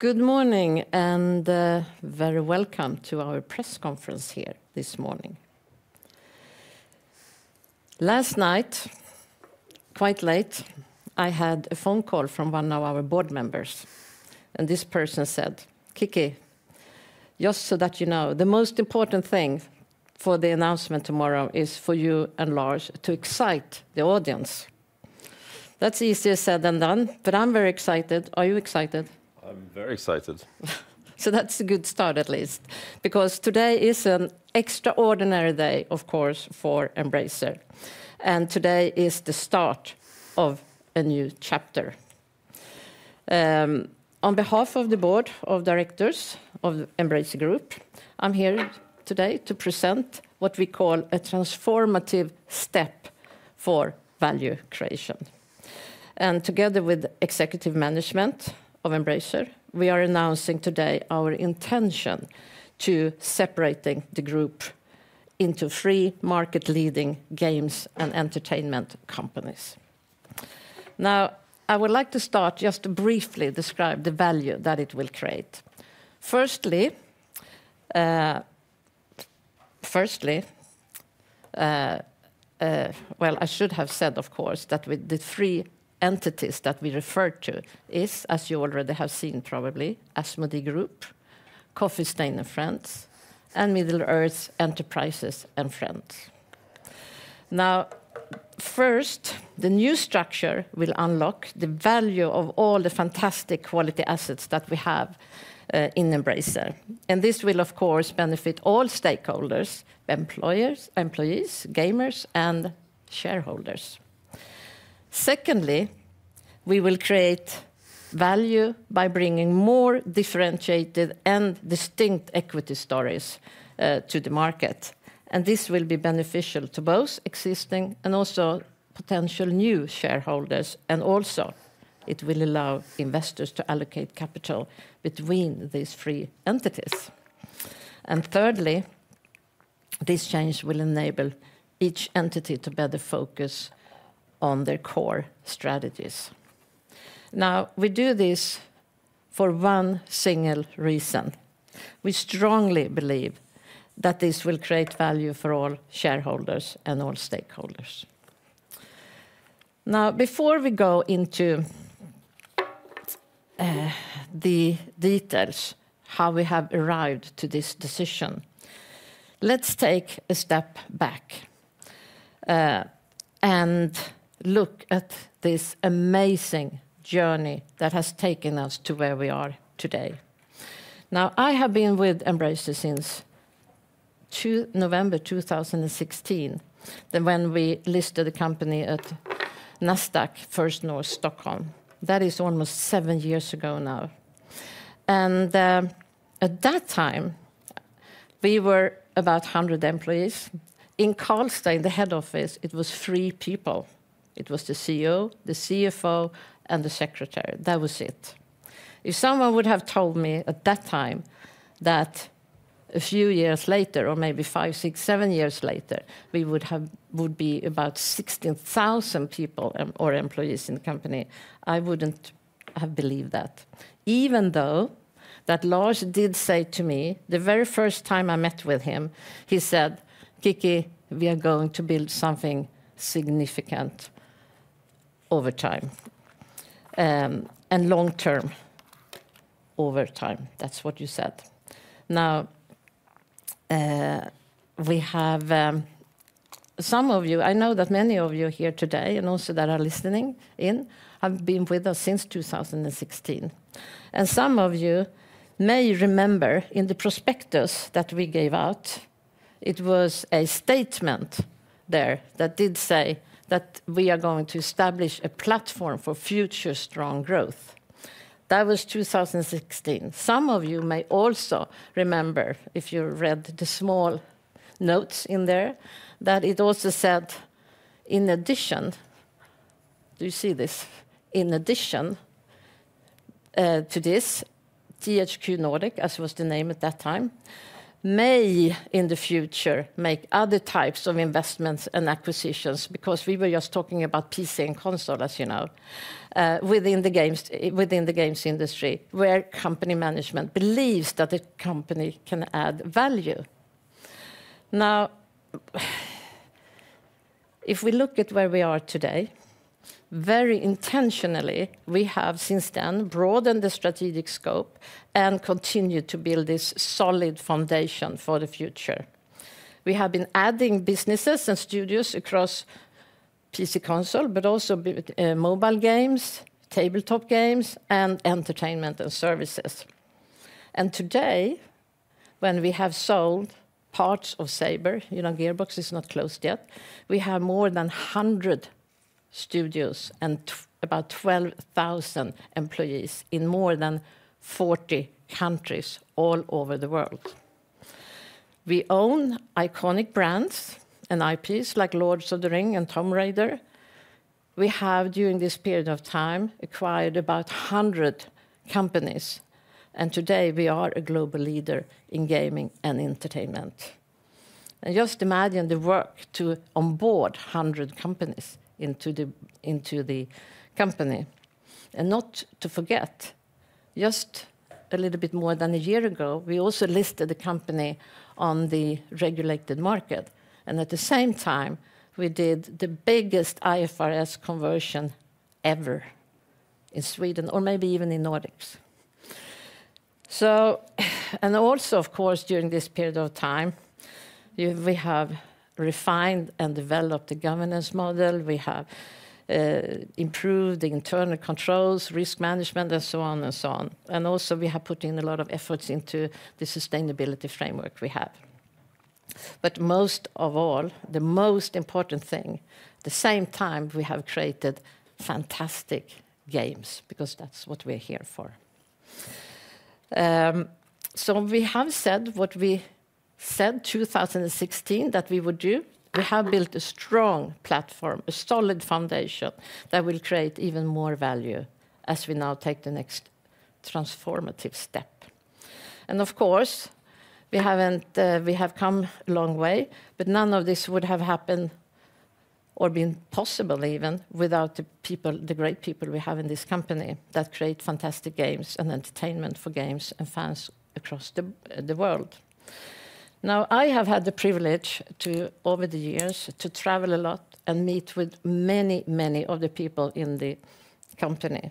Good morning, and very welcome to our press conference here this morning. Last night, quite late, I had a phone call from one of our board members, and this person said, "Kicki, just so that you know, the most important thing for the announcement tomorrow is for you and Lars to excite the audience." That's easier said than done, but I'm very excited. Are you excited? I'm very excited. So that's a good start, at least, because today is an extraordinary day, of course, for Embracer, and today is the start of a new chapter. On behalf of the board of directors of the Embracer Group, I'm here today to present what we call a transformative step for value creation. And together with executive management of Embracer, we are announcing today our intention to separating the group into three market-leading games and entertainment companies. Now, I would like to start just to briefly describe the value that it will create. Firstly, well, I should have said, of course, that with the three entities that we refer to is, as you already have seen, probably, Asmodee Group, Coffee Stain & Friends, and Middle-earth Enterprises & Friends. Now, first, the new structure will unlock the value of all the fantastic quality assets that we have in Embracer, and this will, of course, benefit all stakeholders, employers, employees, gamers, and shareholders. Secondly, we will create value by bringing more differentiated and distinct equity stories to the market, and this will be beneficial to both existing and also potential new shareholders, and also it will allow investors to allocate capital between these three entities. And thirdly, this change will enable each entity to better focus on their core strategies. Now, we do this for one single reason: we strongly believe that this will create value for all shareholders and all stakeholders. Now, before we go into the details, how we have arrived to this decision, let's take a step back and look at this amazing journey that has taken us to where we are today. Now, I have been with Embracer since November 2016, then when we listed the company at Nasdaq First North Stockholm. That is almost seven years ago now, and, at that time, we were about 100 employees. In Karlstad, the head office, it was three people. It was the CEO, the CFO, and the secretary. That was it. If someone would have told me at that time that a few years later, or maybe five, six, seven years later, we would be about 16,000 people, or employees in the company, I wouldn't have believed that, even though that Lars did say to me, the very first time I met with him, he said, "Kicki, we are going to build something significant over time, and long term over time." That's what you said. Now, we have, some of you, I know that many of you here today, and also that are listening in, have been with us since 2016, and some of you may remember in the prospectus that we gave out, it was a statement there that did say that we are going to establish a platform for future strong growth. That was 2016. Some of you may also remember, if you read the small notes in there, that it also said, in addition. Do you see this? In addition, to this, THQ Nordic, as it was the name at that time, may, in the future, make other types of investments and acquisitions, because we were just talking about PC and console, as you know, within the games, within the games industry, where company management believes that a company can add value. Now, if we look at where we are today, very intentionally, we have since then broadened the strategic scope and continued to build this solid foundation for the future. We have been adding businesses and studios across PC, console, but also mobile games, tabletop games, and entertainment and services. And today, when we have sold parts of Saber, you know, Gearbox is not closed yet, we have more than 100 studios and about 12,000 employees in more than 40 countries all over the world. We own iconic brands and IPs, like Lord of the Rings and Tomb Raider. We have, during this period of time, acquired about 100 companies, and today we are a global leader in gaming and entertainment. And just imagine the work to onboard 100 companies into the company. Not to forget, just a little bit more than a year ago, we also listed the company on the regulated market, and at the same time, we did the biggest IFRS conversion ever in Sweden, or maybe even in Nordics. So, and also, of course, during this period of time, we have refined and developed a governance model. We have improved the internal controls, risk management, and so on, and so on. And also, we have put in a lot of efforts into the sustainability framework we have. But most of all, the most important thing, the same time, we have created fantastic games, because that's what we're here for. So we have said what we said 2016 that we would do. We have built a strong platform, a solid foundation, that will create even more value as we now take the next transformative step. Of course, we have come a long way, but none of this would have happened or been possible even, without the people, the great people we have in this company, that create fantastic games and entertainment for games and fans across the world. Now, I have had the privilege to, over the years, to travel a lot and meet with many, many of the people in the company.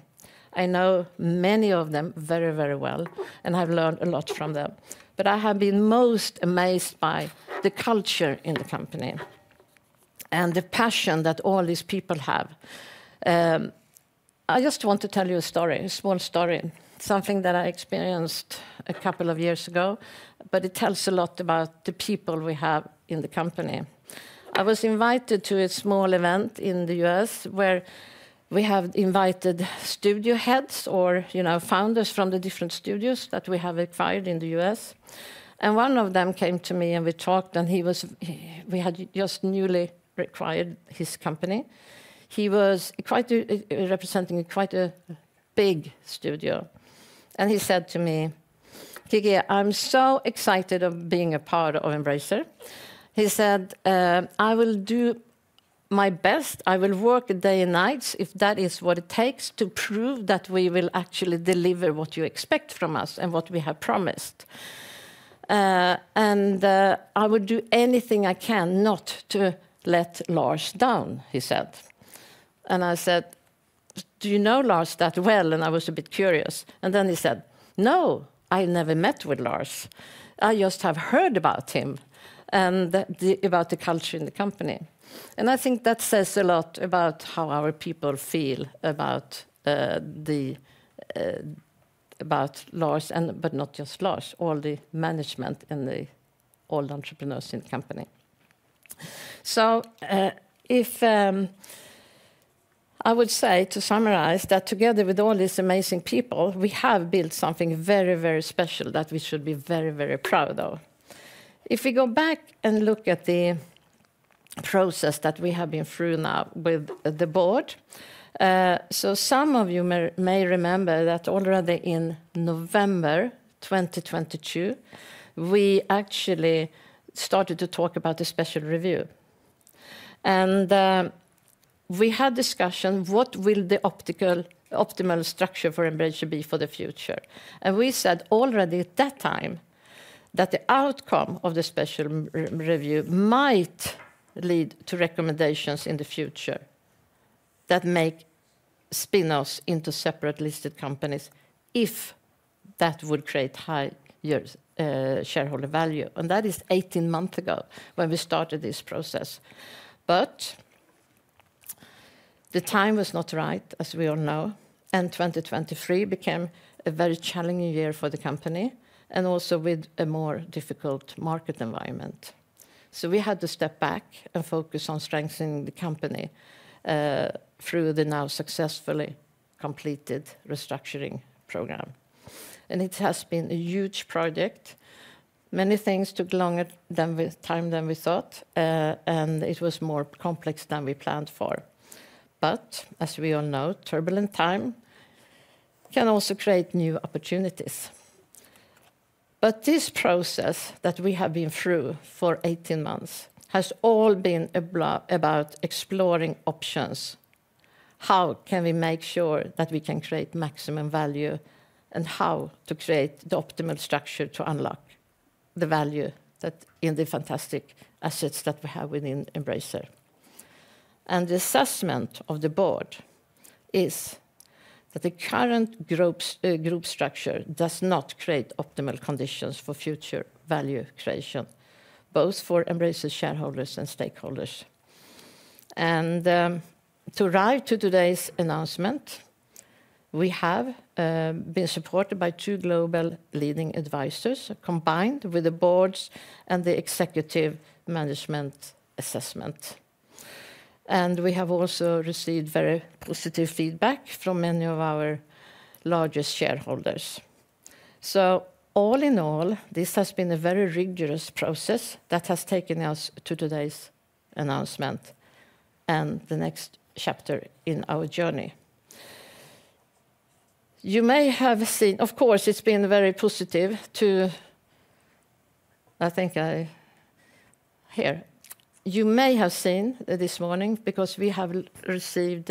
I know many of them very, very well, and I've learned a lot from them. But I have been most amazed by the culture in the company and the passion that all these people have. I just want to tell you a story, a small story, something that I experienced a couple of years ago, but it tells a lot about the people we have in the company. I was invited to a small event in the U.S., where we have invited studio heads or, you know, founders from the different studios that we have acquired in the U.S. And one of them came to me, and we talked, and he was. We had just newly acquired his company. He was quite a, representing quite a big studio. And he said to me, "Kicki, I'm so excited of being a part of Embracer." He said, "I will do my best. I will work day and nights if that is what it takes to prove that we will actually deliver what you expect from us and what we have promised. And, I would do anything I can not to let Lars down," he said. I said, "Do you know Lars that well?" And I was a bit curious, and then he said, "No, I never met with Lars. I just have heard about him, and the, about the culture in the company." And I think that says a lot about how our people feel about Lars, and but not just Lars, all the management and the all entrepreneurs in the company. So, if I would say, to summarize, that together with all these amazing people, we have built something very, very special that we should be very, very proud of. If we go back and look at the process that we have been through now with the board, so some of you may remember that already in November 2022, we actually started to talk about a special review. We had discussion, "What will the optimal structure for Embracer be for the future?" We said already at that time, that the outcome of the special review might lead to recommendations in the future that make spin-offs into separate listed companies if that would create higher shareholder value, and that is 18 months ago when we started this process. But the time was not right, as we all know, and 2023 became a very challenging year for the company, and also with a more difficult market environment. So we had to step back and focus on strengthening the company through the now successfully completed restructuring program. It has been a huge project. Many things took longer time than we thought, and it was more complex than we planned for. But as we all know, turbulent time can also create new opportunities. But this process that we have been through for 18 months has all been about exploring options. How can we make sure that we can create maximum value, and how to create the optimal structure to unlock the value that, in the fantastic assets that we have within Embracer? The assessment of the board is that the current groups, group structure does not create optimal conditions for future value creation, both for Embracer shareholders and stakeholders. To arrive to today's announcement, we have been supported by two global leading advisors, combined with the boards and the executive management assessment. We have also received very positive feedback from many of our largest shareholders. So all in all, this has been a very rigorous process that has taken us to today's announcement and the next chapter in our journey. You may have seen, of course. It's been very positive too, I think, here. You may have seen this morning, because we have received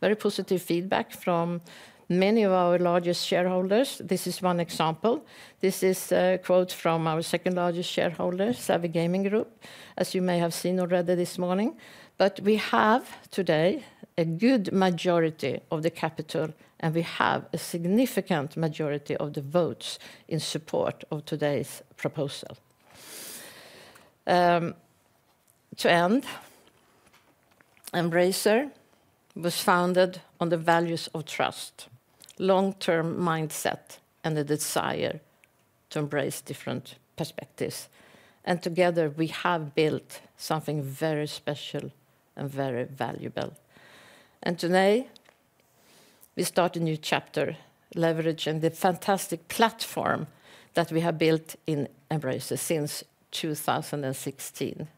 very positive feedback from many of our largest shareholders. This is one example. This is a quote from our second-largest shareholder, Savvy Games Group, as you may have seen already this morning. But we have, today, a good majority of the capital, and we have a significant majority of the votes in support of today's proposal. To end, Embracer was founded on the values of trust, long-term mindset, and the desire to embrace different perspectives, and together, we have built something very special and very valuable. Today, we start a new chapter, leveraging the fantastic platform that we have built in Embracer since 2016.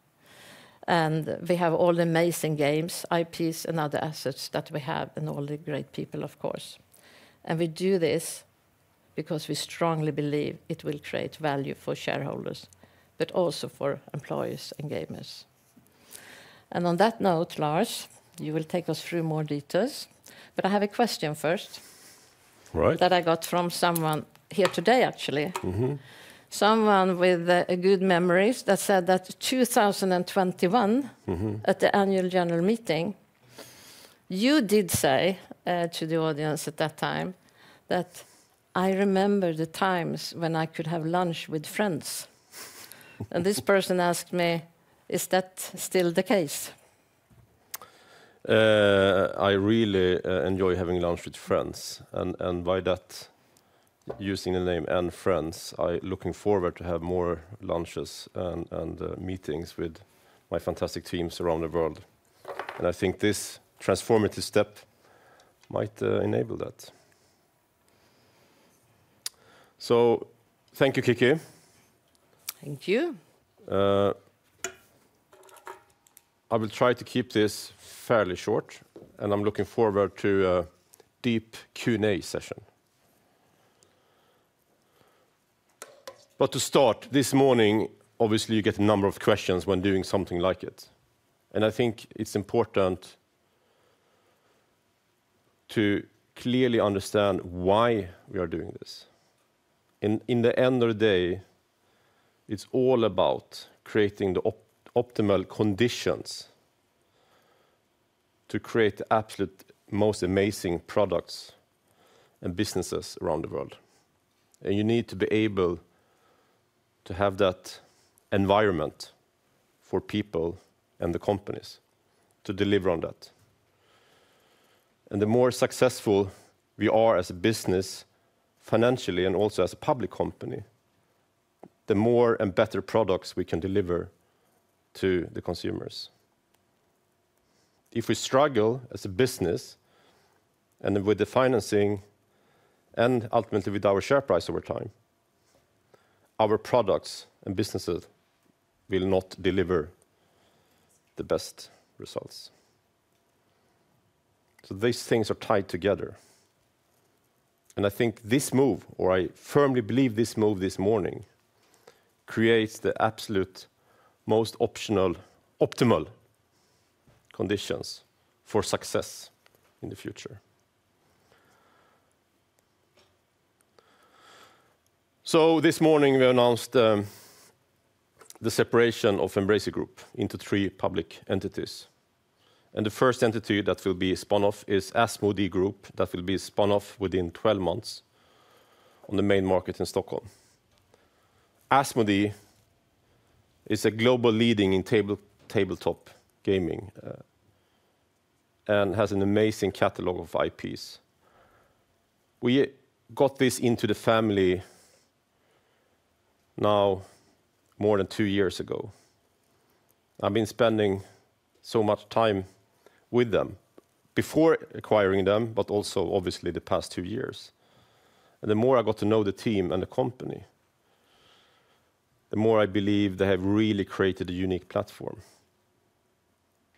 We have all the amazing games, IPs, and other assets that we have, and all the great people, of course. We do this because we strongly believe it will create value for shareholders, but also for employees and gamers. On that note, Lars, you will take us through more details, but I have a question first. Right. that I got from someone here today, actually. Someone with good memories that said that 2021. At the annual general meeting, you did say to the audience at that time that, "I remember the times when I could have lunch with friends." This person asked me, "Is that still the case? I really enjoy having lunch with friends, and by that, using the name and friends, I looking forward to have more lunches and meetings with my fantastic teams around the world. And I think this transformative step might enable that. So thank you, Kicki. Thank you. I will try to keep this fairly short, and I'm looking forward to a deep Q&A session. But to start, this morning, obviously, you get a number of questions when doing something like it, and I think it's important to clearly understand why we are doing this. In the end of the day, it's all about creating the optimal conditions to create the absolute most amazing products and businesses around the world, and you need to be able to have that environment for people and the companies to deliver on that. The more successful we are as a business, financially, and also as a public company, the more and better products we can deliver to the consumers. If we struggle as a business and with the financing, and ultimately with our share price over time, our products and businesses will not deliver the best results. So these things are tied together, and I think this move, or I firmly believe this move this morning, creates the absolute most optimal conditions for success in the future. So this morning, we announced the separation of Embracer Group into three public entities, and the first entity that will be spun off is Asmodee Group. That will be spun off within 12 months on the main market in Stockholm. Asmodee is a global leading in tabletop gaming, and has an amazing catalog of IPs. We got this into the family now more than two years ago. I've been spending so much time with them before acquiring them, but also obviously the past two years. And the more I got to know the team and the company, the more I believe they have really created a unique platform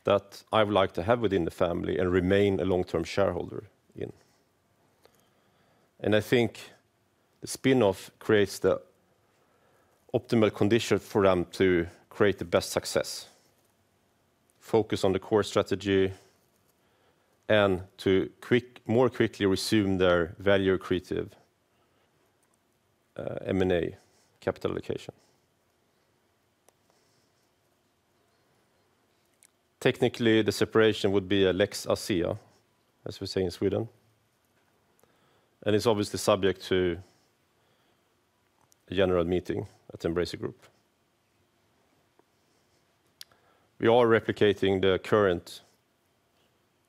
that I would like to have within the family and remain a long-term shareholder in. And I think the spinoff creates the optimal condition for them to create the best success, focus on the core strategy, and to more quickly resume their value accretive M&A capital allocation. Technically, the separation would be a Lex Asea, as we say in Sweden, and it's obviously subject to a general meeting at Embracer Group. We are replicating the current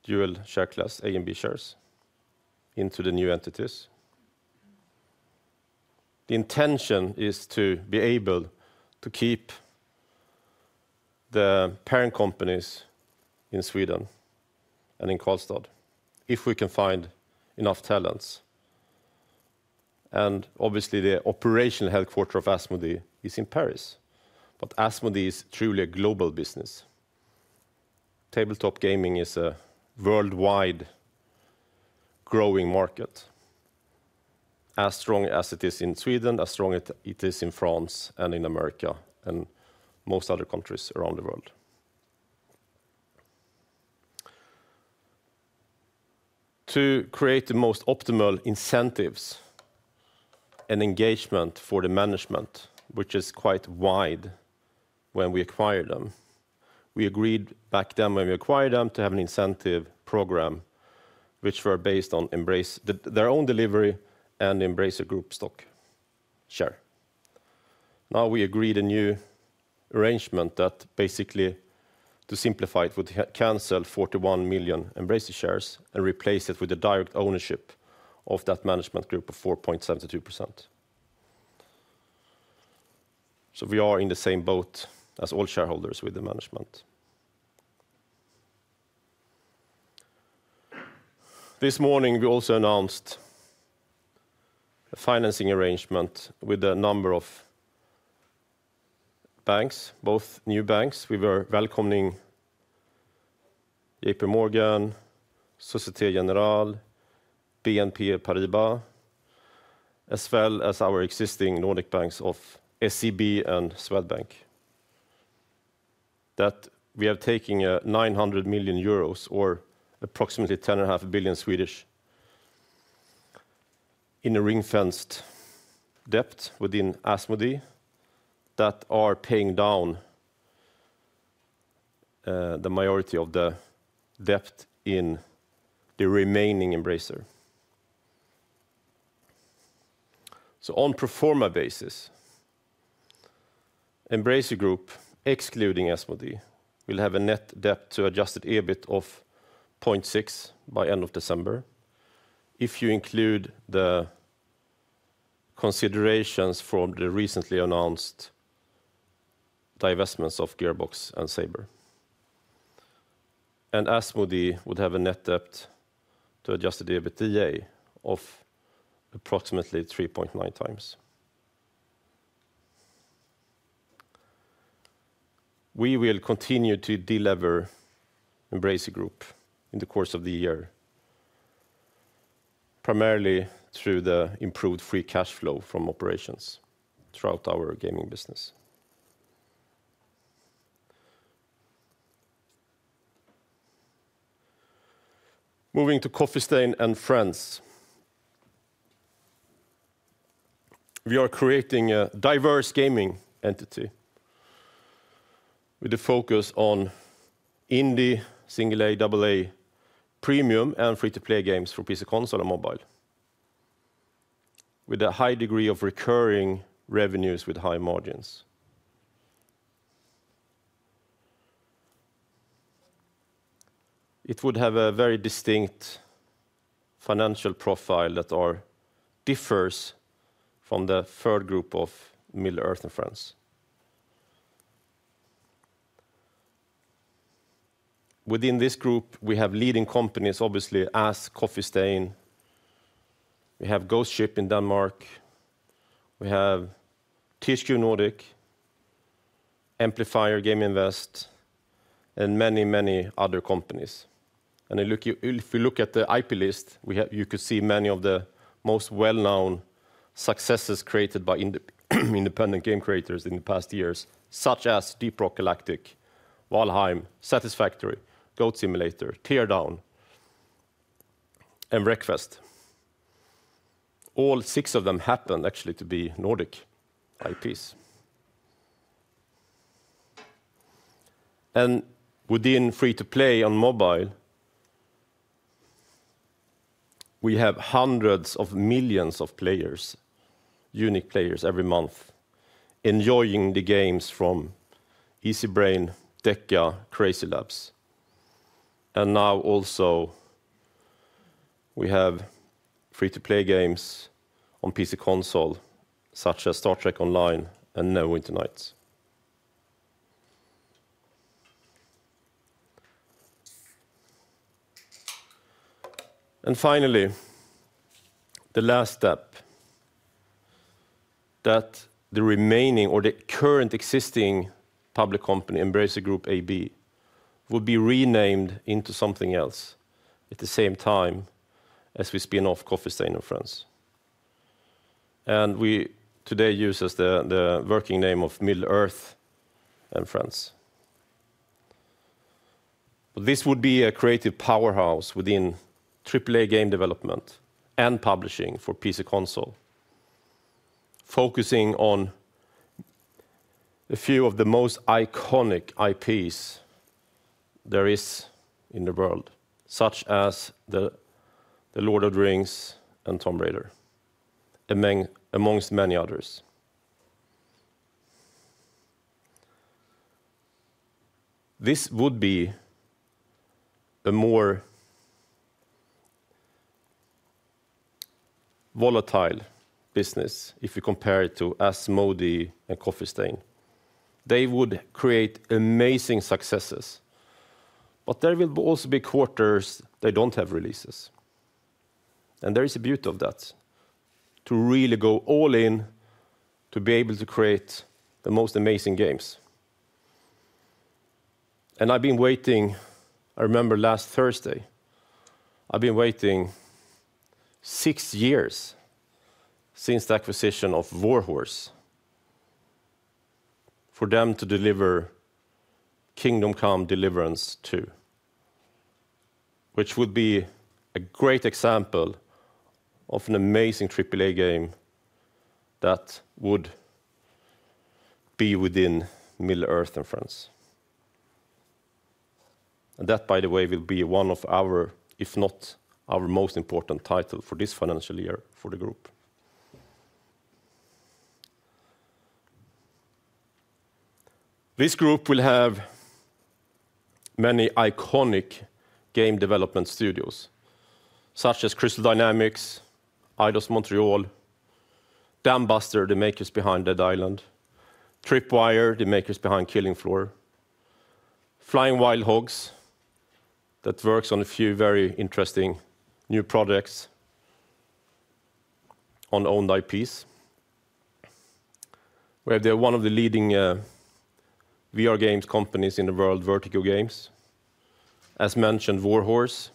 dual share class, A and B shares, into the new entities. The intention is to be able to keep the parent companies in Sweden and in Karlstad, if we can find enough talents. Obviously, the operational headquarters of Asmodee is in Paris, but Asmodee is truly a global business. Tabletop gaming is a worldwide growing market, as strong as it is in Sweden, as strong as it is in France and in America, and most other countries around the world. To create the most optimal incentives and engagement for the management, which is quite wide when we acquire them, we agreed back then when we acquired them, to have an incentive program which were based on Embracer, their own delivery and Embracer Group stock share. Now, we agreed a new arrangement that basically, to simplify it, would cancel 41 million Embracer shares and replace it with the direct ownership of that management group of 4.72%. So we are in the same boat as all shareholders with the management. This morning, we also announced a financing arrangement with a number of banks, both new banks. We were welcoming J.P. Morgan, Société Générale, BNP Paribas, as well as our existing Nordic banks of SEB and Swedbank. That we are taking 900 million euros, or approximately 10.5 billion, in a ring-fenced debt within Asmodee that are paying down the majority of the debt in the remaining Embracer. So on pro forma basis, Embracer Group, excluding Asmodee, will have a net debt to adjusted EBIT of 0.6 by end of December, if you include the considerations from the recently announced divestments of Gearbox and Saber. And Asmodee would have a net debt to adjusted EBITDA of approximately 3.9 times. We will continue to delever Embracer Group in the course of the year, primarily through the improved free cash flow from operations throughout our gaming business. Moving to Coffee Stain and Friends. We are creating a diverse gaming entity with a focus on indie, single A, double A, premium, and free-to-play games for PC, console, and mobile, with a high degree of recurring revenues with high margins. It would have a very distinct financial profile that differs from the third group of Middle-earth and Friends. Within this group, we have leading companies, obviously, as Coffee Stain, we have Ghost Ship in Denmark, we have THQ Nordic, Amplifier Game Invest, and many, many other companies. If you look at the IP list, you could see many of the most well-known successes created by independent game creators in the past years, such as Deep Rock Galactic, Valheim, Satisfactory, Goat Simulator, Teardown, and Wreckfest. All six of them happen actually to be Nordic IPs. And within free-to-play on mobile, we have hundreds of millions of players, unique players every month, enjoying the games from Easybrain, Deca, CrazyLabs. And now also, we have free-to-play games on PC console, such as Star Trek Online and Neverwinter. And finally, the last step, that the remaining or the current existing public company, Embracer Group AB, will be renamed into something else at the same time as we spin off Coffee Stain & Friends. And we today use as the working name of Middle-earth and Friends. This would be a creative powerhouse within AAA game development and publishing for PC console, focusing on a few of the most iconic IPs there is in the world, such as the, the Lord of the Rings and Tomb Raider, among, amongst many others. This would be a more volatile business if you compare it to Asmodee and Coffee Stain. They would create amazing successes, but there will also be quarters they don't have releases, and there is a beauty of that, to really go all in to be able to create the most amazing games. I've been waiting. I remember last Thursday. I've been waiting 6 years since the acquisition of Warhorse, for them to deliver Kingdom Come: Deliverance II, which would be a great example of an amazing AAA game that would be within Middle-earth Enterprises & Friends. And that, by the way, will be one of our, if not our most important title for this financial year for the group. This group will have many iconic game development studios, such as Crystal Dynamics, Eidos-Montréal, Dambuster, the makers behind Dead Island, Tripwire, the makers behind Killing Floor, Flying Wild Hog, that works on a few very interesting new projects on owned IPs. We have, they're one of the leading VR games companies in the world, Vertigo Games. As mentioned, Warhorse,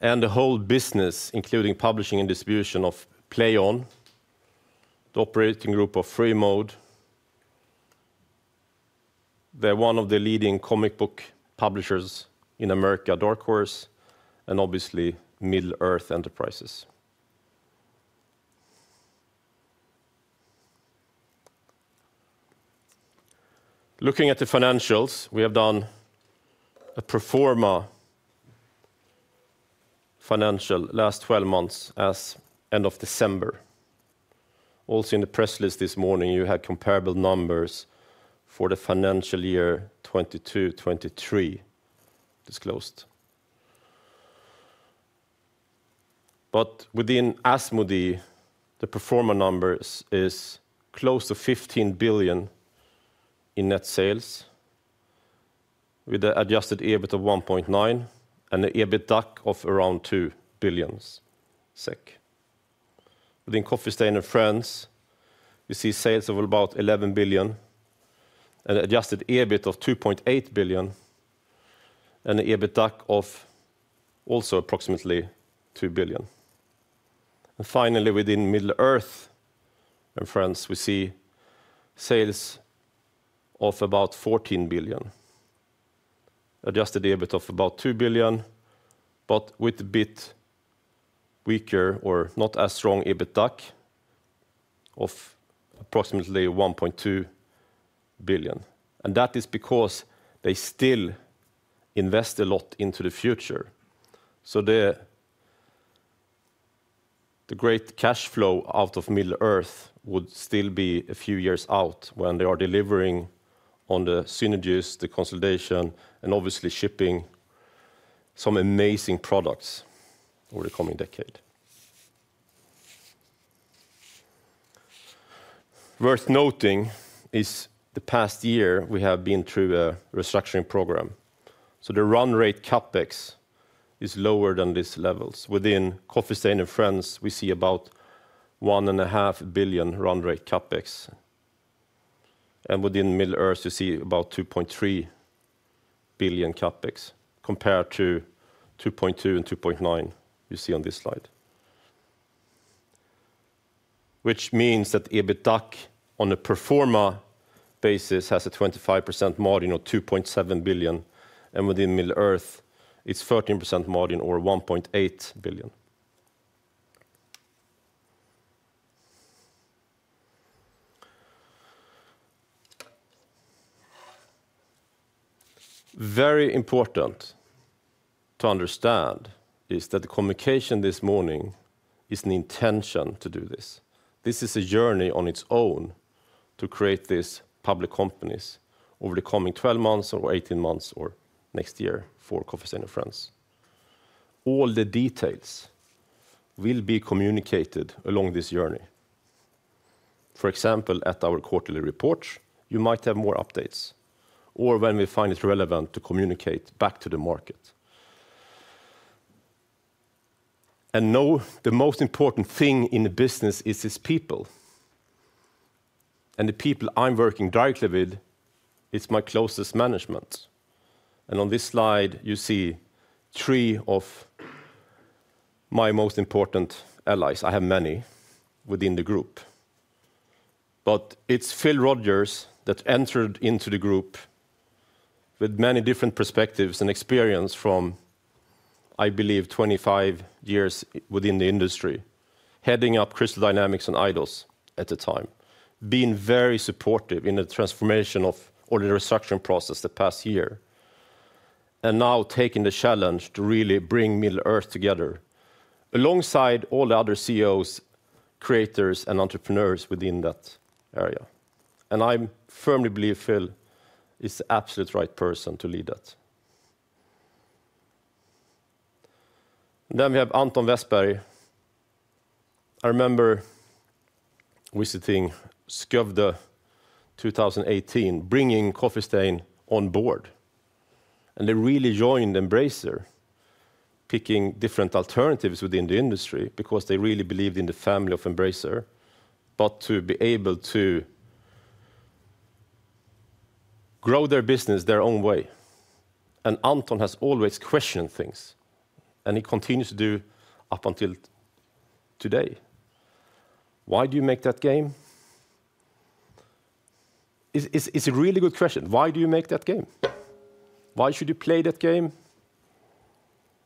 and the whole business, including publishing and distribution of Plaion, the operating group of Freemode. They're one of the leading comic book publishers in America, Dark Horse, and obviously, Middle-earth Enterprises. Looking at the financials, we have done a pro forma financial last twelve months as end of December. Also, in the press list this morning, you had comparable numbers for the financial year 2022, 2023, disclosed. Within Asmodee, the pro forma numbers is close to 15 billion in net sales, with the adjusted EBIT of 1.9 billion, and the EBITDA of around 2 billion SEK. Within Coffee Stain & Friends, you see sales of about 11 billion and adjusted EBIT of 2.8 billion, and the EBITDA of also approximately 2 billion. Finally, within Middle-earth and Friends, we see sales of about 14 billion, adjusted EBIT of about 2 billion, but with a bit weaker or not as strong EBITDA of approximately 1.2 billion. That is because they still invest a lot into the future. So the great cash flow out of Middle-earth would still be a few years out when they are delivering on the synergies, the consolidation, and obviously shipping some amazing products over the coming decade. Worth noting is the past year, we have been through a restructuring program, so the run rate CapEx is lower than these levels. Within Coffee Stain & Friends, we see about 1.5 billion run rate CapEx, and within Middle-earth, you see about 2.3 billion CapEx, compared to 2.2 and 2.9 you see on this slide. Which means that EBITDA, on a pro forma basis, has a 25% margin of 2.7 billion, and within Middle-earth, it's 13% margin or 1.8 billion. Very important to understand is that the communication this morning is an intention to do this. This is a journey on its own to create these public companies over the coming 12 months or 18 months or next year for Coffee Stain & Friends. All the details will be communicated along this journey. For example, at our quarterly report, you might have more updates, or when we find it relevant to communicate back to the market. I know the most important thing in the business is its people, and the people I'm working directly with, it's my closest management. On this slide, you see three of my most important allies. I have many within the group. But it's Phil Rogers that entered into the group with many different perspectives and experience from, I believe, 25 years within the industry, heading up Crystal Dynamics and Eidos at the time, being very supportive in the transformation of all the restructuring process the past year, and now taking the challenge to really bring Middle-earth together, alongside all the other CEOs, creators, and entrepreneurs within that area. And I firmly believe Phil is the absolute right person to lead that. Then we have Anton Westbergh. I remember visiting Skövde 2018, bringing Coffee Stain on board, and they really joined Embracer, picking different alternatives within the industry because they really believed in the family of Embracer, but to be able to grow their business their own way. And Anton has always questioned things, and he continues to do up until today. Why do you make that game? It's a really good question: Why do you make that game? Why should you play that game,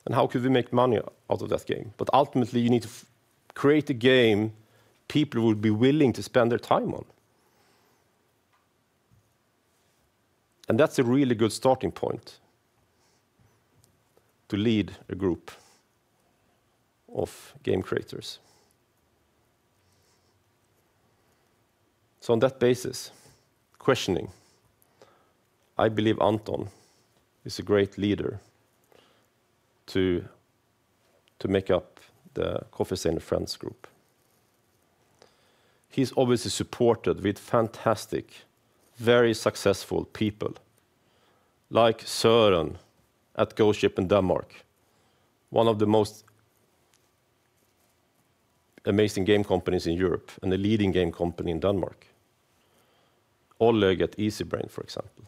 and how could we make money out of that game? But ultimately, you need to create a game people will be willing to spend their time on. And that's a really good starting point to lead a group of game creators. So on that basis, questioning, I believe Anton is a great leader to make up the Coffee Stain & Friends group. He's obviously supported with fantastic, very successful people, like Søren at Ghost Ship in Denmark, one of the most amazing game companies in Europe and a leading game company in Denmark. Olegg at Easybrain, for example.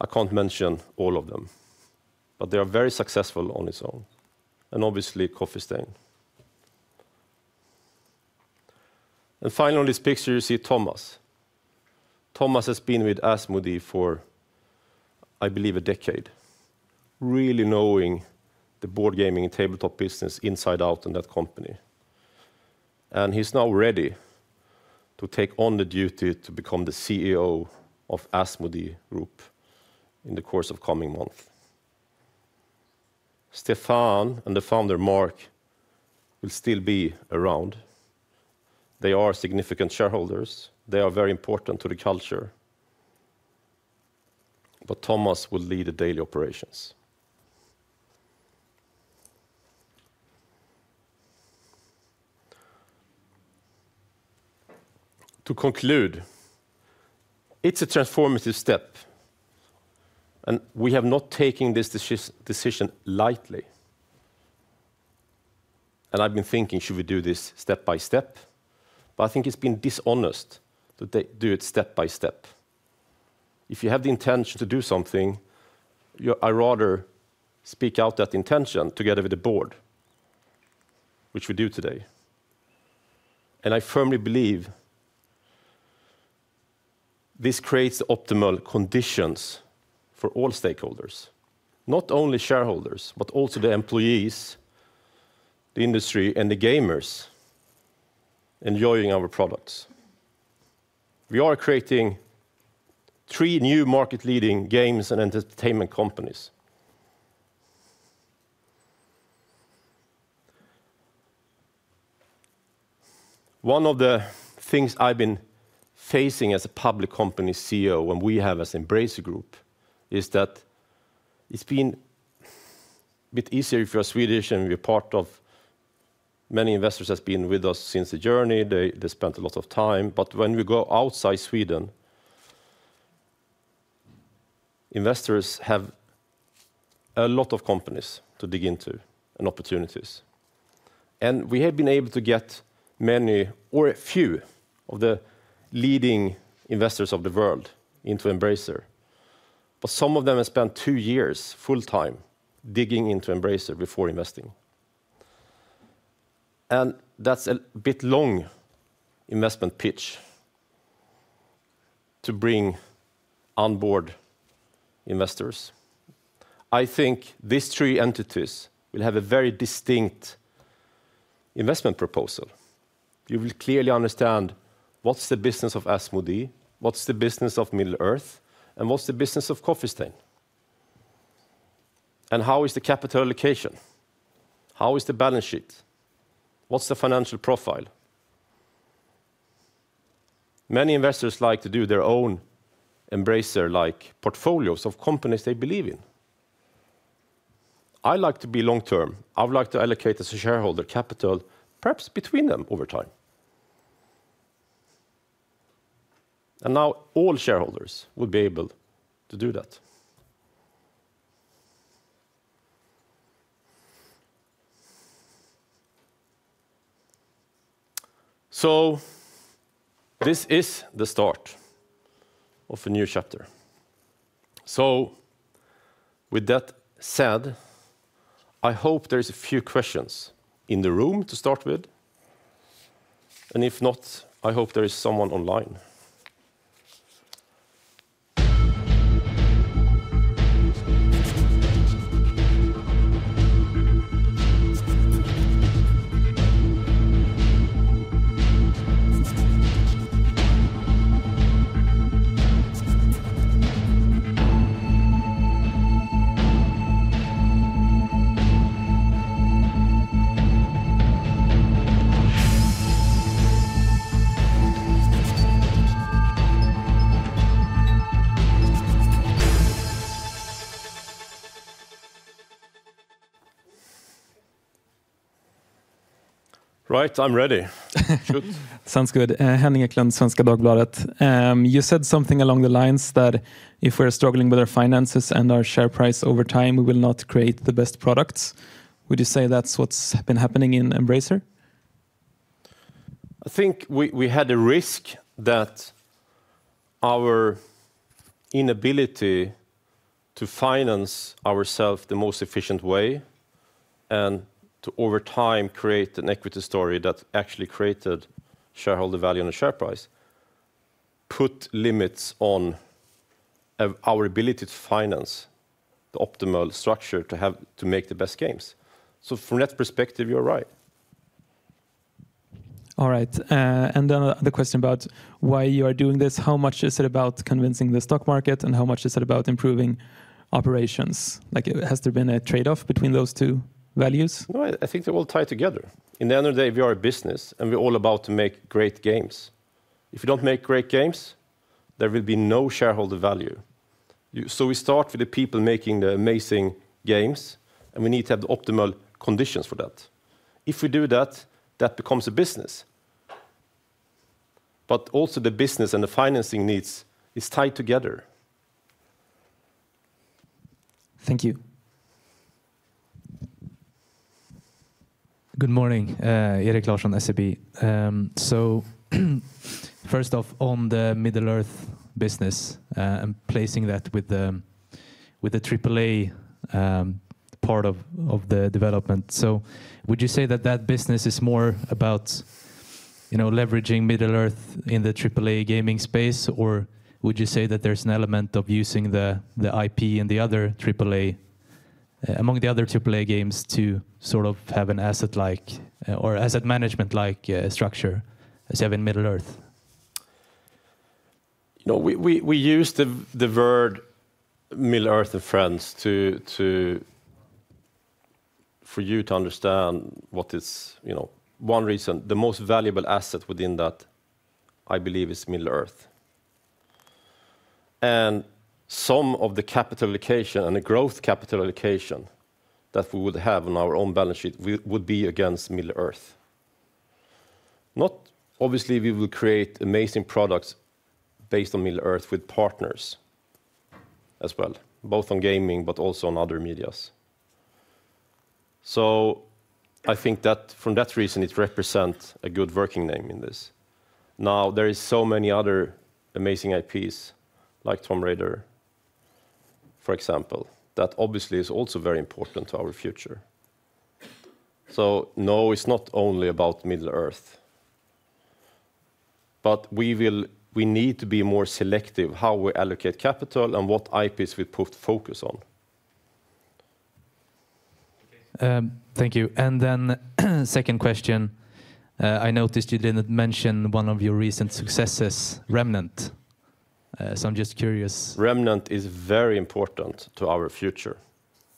I can't mention all of them, but they are very successful on its own, and obviously, Coffee Stain. And finally, on this picture, you see Thomas. Thomas has been with Asmodee for, I believe, a decade, really knowing the board gaming and tabletop business inside out in that company. He's now ready to take on the duty to become the CEO of Asmodee Group in the course of coming month. Stéphane and the founder, Marc, will still be around. They are significant shareholders. They are very important to the culture, but Thomas will lead the daily operations. To conclude, it's a transformative step, and we have not taken this decision lightly. I've been thinking, should we do this step by step? I think it's been dishonest to do it step by step. If you have the intention to do something, you, I rather speak out that intention together with the board, which we do today. And I firmly believe this creates optimal conditions for all stakeholders, not only shareholders, but also the employees, the industry, and the gamers enjoying our products. We are creating three new market-leading games and entertainment companies. One of the things I've been facing as a public company CEO, and we have as Embracer Group, is that it's been a bit easier if you're Swedish and you're part of many investors that's been with us since the journey. They, they spent a lot of time. But when we go outside Sweden, investors have a lot of companies to dig into and opportunities, and we have been able to get many or a few of the leading investors of the world into Embracer. But some of them have spent two years, full time, digging into Embracer before investing, and that's a bit long investment pitch to bring on board investors. I think these three entities will have a very distinct investment proposal. You will clearly understand what's the business of Asmodee, what's the business of Middle-earth, and what's the business of Coffee Stain, and how is the capital allocation, how is the balance sheet, what's the financial profile? Many investors like to do their own Embracer-like portfolios of companies they believe in. I like to be long term. I would like to allocate as a shareholder capital, perhaps between them over time. And now all shareholders will be able to do that. So this is the start of a new chapter. So with that said, I hope there is a few questions in the room to start with, and if not, I hope there is someone online. Right, I'm ready. Sounds good. Henning Eklund, Svenska Dagbladet. You said something along the lines that if we're struggling with our finances and our share price over time, we will not create the best products. Would you say that's what's been happening in Embracer? I think we had a risk that our inability to finance ourself the most efficient way, and to over time, create an equity story that actually created shareholder value and a share price, put limits on our ability to finance the optimal structure to have to make the best games. So from that perspective, you're right. All right, and then the question about why you are doing this, how much is it about convincing the stock market, and how much is it about improving operations? Like, has there been a trade-off between those two values? No, I think they're all tied together. At the end of the day, we are a business, and we're all about to make great games. If you don't make great games, there will be no shareholder value. So we start with the people making the amazing games, and we need to have the optimal conditions for that. If we do that, that becomes a business. But also the business and the financing needs is tied together. Thank you. Good morning, Erik Larsson, SEB. So, first off, on the Middle-earth business, and placing that with the, with the Triple-A, part of, of the development. So would you say that that business is more about, you know, leveraging Middle-earth in the Triple-A gaming space? Or would you say that there's an element of using the, the IP and the other Triple-A, among the other Triple-A games to sort of have an asset like, or asset management-like, structure as you have in Middle-earth? You know, we use the word Middle-earth and friends to for you to understand what is, you know, one reason, the most valuable asset within that, I believe, is Middle-earth. And some of the capital allocation and the growth capital allocation that we would have on our own balance sheet would be against Middle-earth. Not obviously, we will create amazing products based on Middle-earth with partners as well, both on gaming, but also on other medias. So I think that from that reason, it represents a good working name in this. Now, there is so many other amazing IPs, like Tomb Raider, for example, that obviously is also very important to our future. So no, it's not only about Middle-earth, but we need to be more selective how we allocate capital and what IPs we put focus on. Thank you. And then, second question. I noticed you didn't mention one of your recent successes, Remnant. So I'm just curious- Remnant is very important to our future.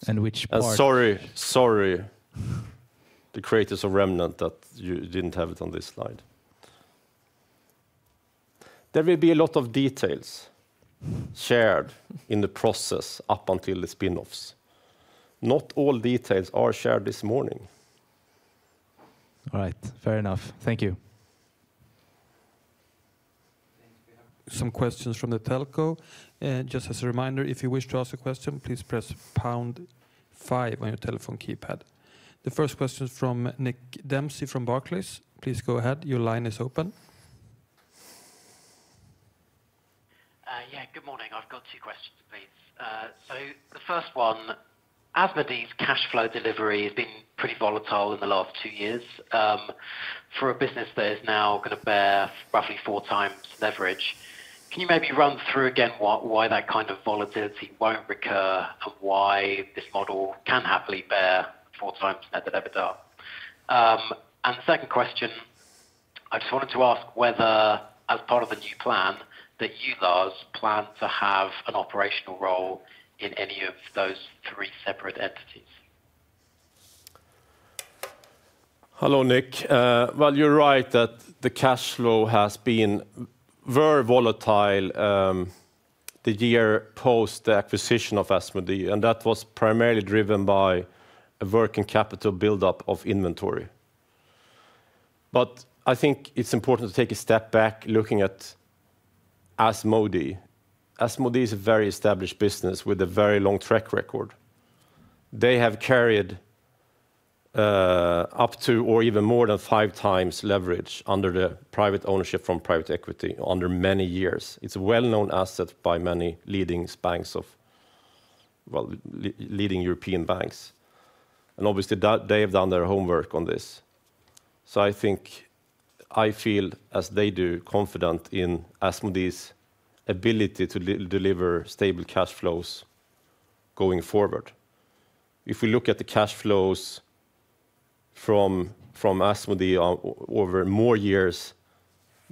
Which part? Sorry, sorry, the creators of Remnant, that you didn't have it on this slide. There will be a lot of details shared in the process up until the spinoffs. Not all details are shared this morning. All right. Fair enough. Thank you. I think we have some questions from the telco. Just as a reminder, if you wish to ask a question, please press pound five on your telephone keypad. The first question is from Nick Dempsey from Barclays. Please go ahead. Your line is open. Yeah. Good morning. I've got two questions, please. So the first one, Asmodee's cash flow delivery has been pretty volatile in the last two years, for a business that is now gonna bear roughly four times leverage. Can you maybe run through again why, why that kind of volatility won't recur, and why this model can happily bear four times EBITDA? And the second question, I just wanted to ask whether, as part of the new plan, that you, Lars, plan to have an operational role in any of those three separate entities? Hello, Nick. Well, you're right that the cash flow has been very volatile, the year post the acquisition of Asmodee, and that was primarily driven by a working capital buildup of inventory. But I think it's important to take a step back looking at Asmodee. Asmodee is a very established business with a very long track record. They have carried up to or even more than 5x leverage under the private ownership from private equity under many years. It's a well-known asset by many leading banks of... Well, leading European banks. And obviously, that they have done their homework on this. So I think, I feel as they do, confident in Asmodee's ability to deliver stable cash flows going forward. If we look at the cash flows from Asmodee over more years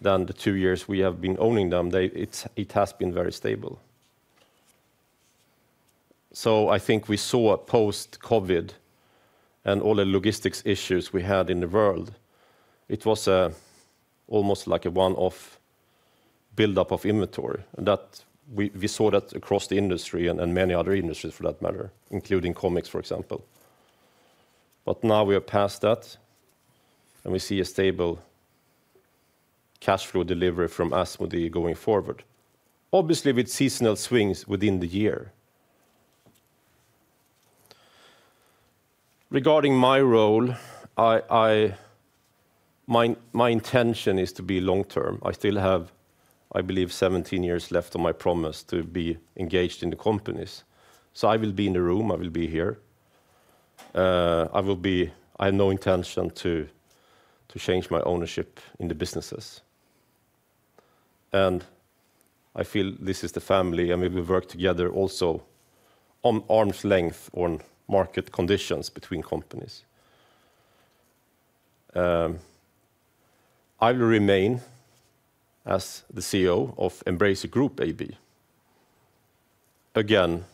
than the two years we have been owning them, it has been very stable. So I think we saw a post-COVID and all the logistics issues we had in the world, it was almost like a one-off buildup of inventory, and that we saw that across the industry and many other industries for that matter, including comics, for example. But now we are past that, and we see a stable cash flow delivery from Asmodee going forward, obviously, with seasonal swings within the year. Regarding my role, my intention is to be long-term. I still have, I believe, 17 years left on my promise to be engaged in the companies. So I will be in the room, I will be here. I have no intention to change my ownership in the businesses. I feel this is the family, and we will work together also on arm's length on market conditions between companies. I will remain as the CEO of Embracer Group AB. Again,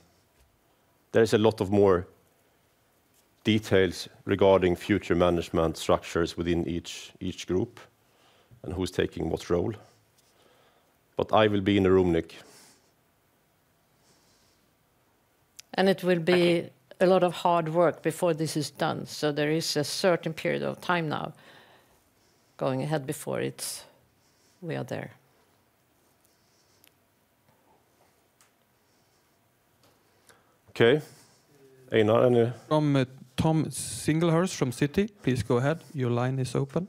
there is a lot of more details regarding future management structures within each group and who's taking what role. I will be in the room, Nick. It will be a lot of hard work before this is done, so there is a certain period of time now going ahead before it's we are there. Okay. Einar, any. Tom Singlehurst from Citi, please go ahead. Your line is open.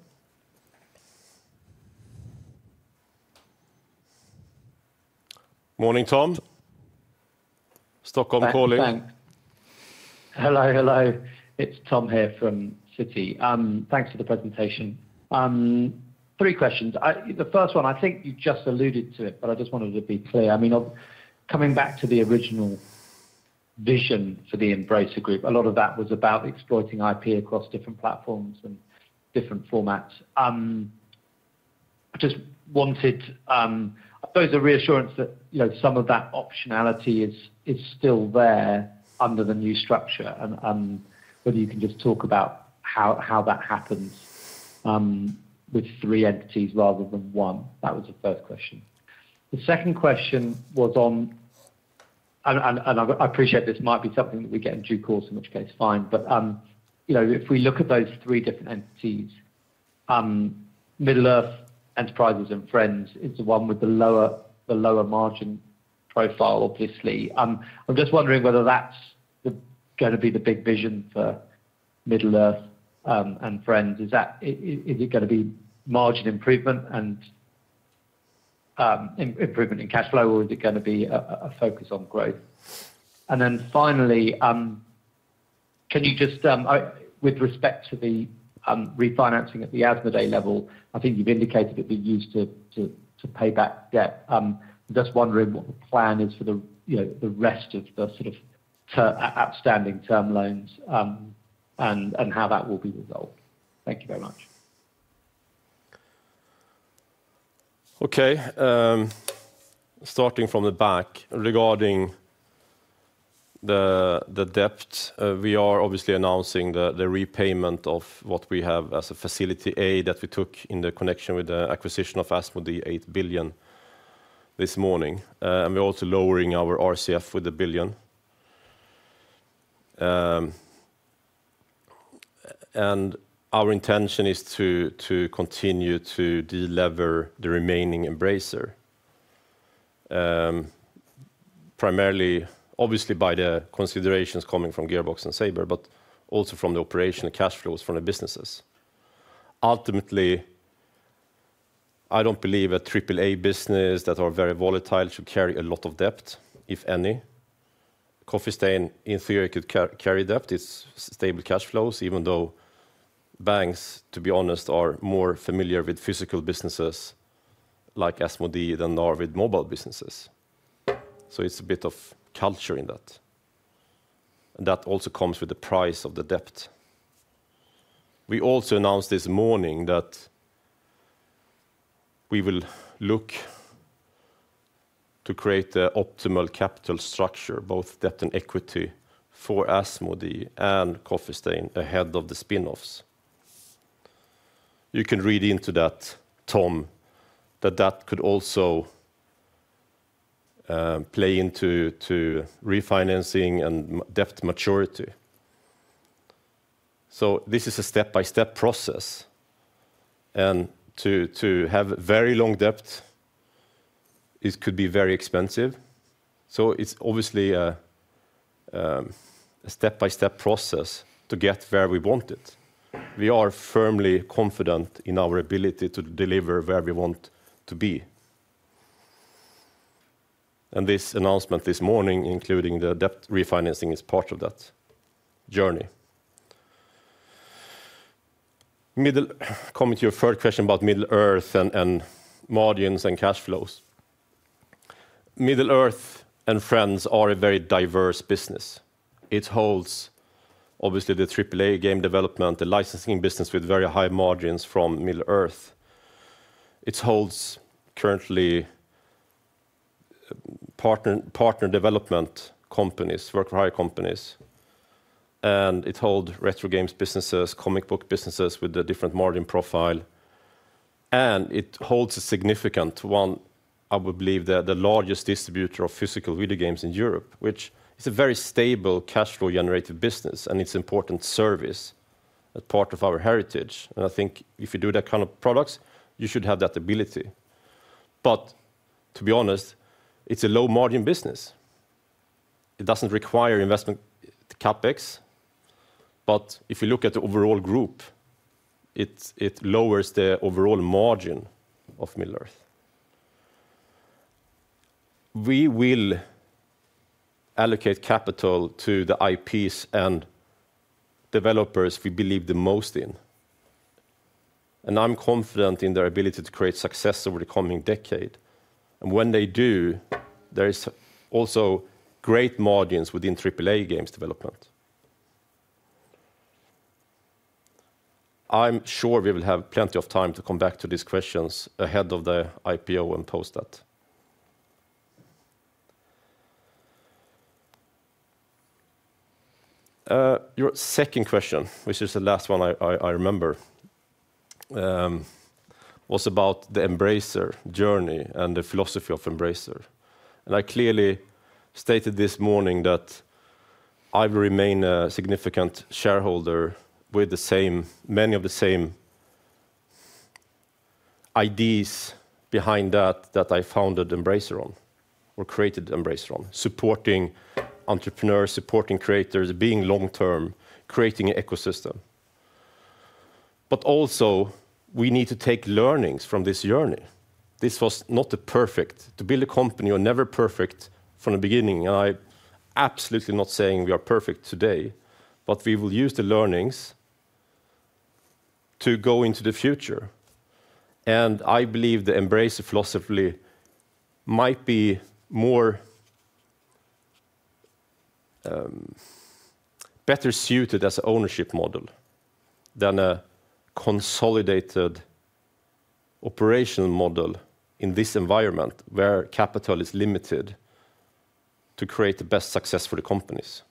Morning, Tom. Stockholm calling. Thanks, thanks. Hello, hello, it's Tom here from Citi. Thanks for the presentation. Three questions. I the first one, I think you just alluded to it, but I just wanted to be clear. I mean, coming back to the original vision for the Embracer Group, a lot of that was about exploiting IP across different platforms and different formats. I just wanted both a reassurance that, you know, some of that optionality is still there under the new structure, and whether you can just talk about how that happens with three entities rather than one. That was the first question. The second question was on. And I appreciate this might be something that we get in due course, in which case, fine. But, you know, if we look at those three different entities, Middle-earth Enterprises and Friends is the one with the lower, the lower margin profile, obviously. I'm just wondering whether that's gonna be the big vision for Middle-earth, and Friends. Is that, is it gonna be margin improvement and, improvement in cash flow, or is it gonna be a, a focus on growth? And then finally, can you just, with respect to the, refinancing at the Asmodee level, I think you've indicated it'd be used to, to, to pay back debt. I'm just wondering what the plan is for the, you know, the rest of the sort of the outstanding term loans, and, and how that will be resolved. Thank you very much. Okay, starting from the back. Regarding the debt, we are obviously announcing the repayment of what we have as a Facility A that we took in the connection with the acquisition of Asmodee 8 billion this morning. And we're also lowering our RCF with 1 billion. And our intention is to continue to delever the remaining Embracer, primarily, obviously, by the considerations coming from Gearbox and Saber, but also from the operational cash flows from the businesses. Ultimately, I don't believe a triple A business that are very volatile should carry a lot of debt, if any. Coffee Stain, in theory, could carry debt. It's stable cash flows, even though banks, to be honest, are more familiar with physical businesses like Asmodee than are with mobile businesses. So it's a bit of culture in that. And that also comes with the price of the debt. We also announced this morning that we will look to create the optimal capital structure, both debt and equity, for Asmodee and Coffee Stain ahead of the spin-offs. You can read into that, Tom, that that could also play into refinancing and debt maturity. So this is a step-by-step process, and to have very long debt, it could be very expensive. So it's obviously a step-by-step process to get where we want it. We are firmly confident in our ability to deliver where we want to be. And this announcement this morning, including the debt refinancing, is part of that journey. Coming to your third question about Middle-earth and margins and cash flows. Middle-earth and Friends are a very diverse business. It holds, obviously, the AAA game development, the licensing business with very high margins from Middle-earth. It holds currently partner development companies, work-for-hire companies, and it holds retro games businesses, comic book businesses with a different margin profile, and it holds a significant one, I would believe, the largest distributor of physical video games in Europe, which is a very stable cash flow generative business, and it's important service as part of our heritage. And I think if you do that kind of products, you should have that ability. But to be honest, it's a low-margin business. It doesn't require investment CapEx, but if you look at the overall group, it lowers the overall margin of Middle-earth. We will allocate capital to the IPs and developers we believe the most in, and I'm confident in their ability to create success over the coming decade. When they do, there is also great margins within AAA games development. I'm sure we will have plenty of time to come back to these questions ahead of the IPO and post that. Your second question, which is the last one I remember, was about the Embracer journey and the philosophy of Embracer. I clearly stated this morning that I will remain a significant shareholder with the same, many of the same ideas behind that, that I founded Embracer on or created Embracer on, supporting entrepreneurs, supporting creators, being long term, creating an ecosystem. But also, we need to take learnings from this journey. This was not the perfect. To build a company, you're never perfect from the beginning, and I'm absolutely not saying we are perfect today, but we will use the learnings to go into the future. And I believe the Embracer philosophy might be more, better suited as an ownership model than a consolidated operational model in this environment, where capital is limited to create the best success for the companies.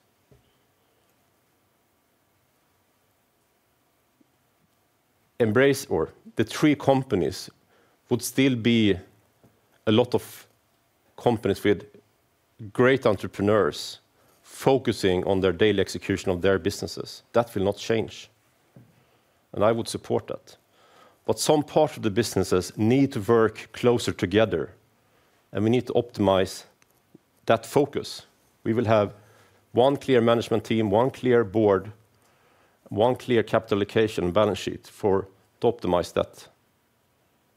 Embracer, the three companies, would still be a lot of companies with great entrepreneurs focusing on their daily execution of their businesses. That will not change, and I would support that. But some part of the businesses need to work closer together, and we need to optimize that focus. We will have one clear management team, one clear board, one clear capital allocation balance sheet to optimize that.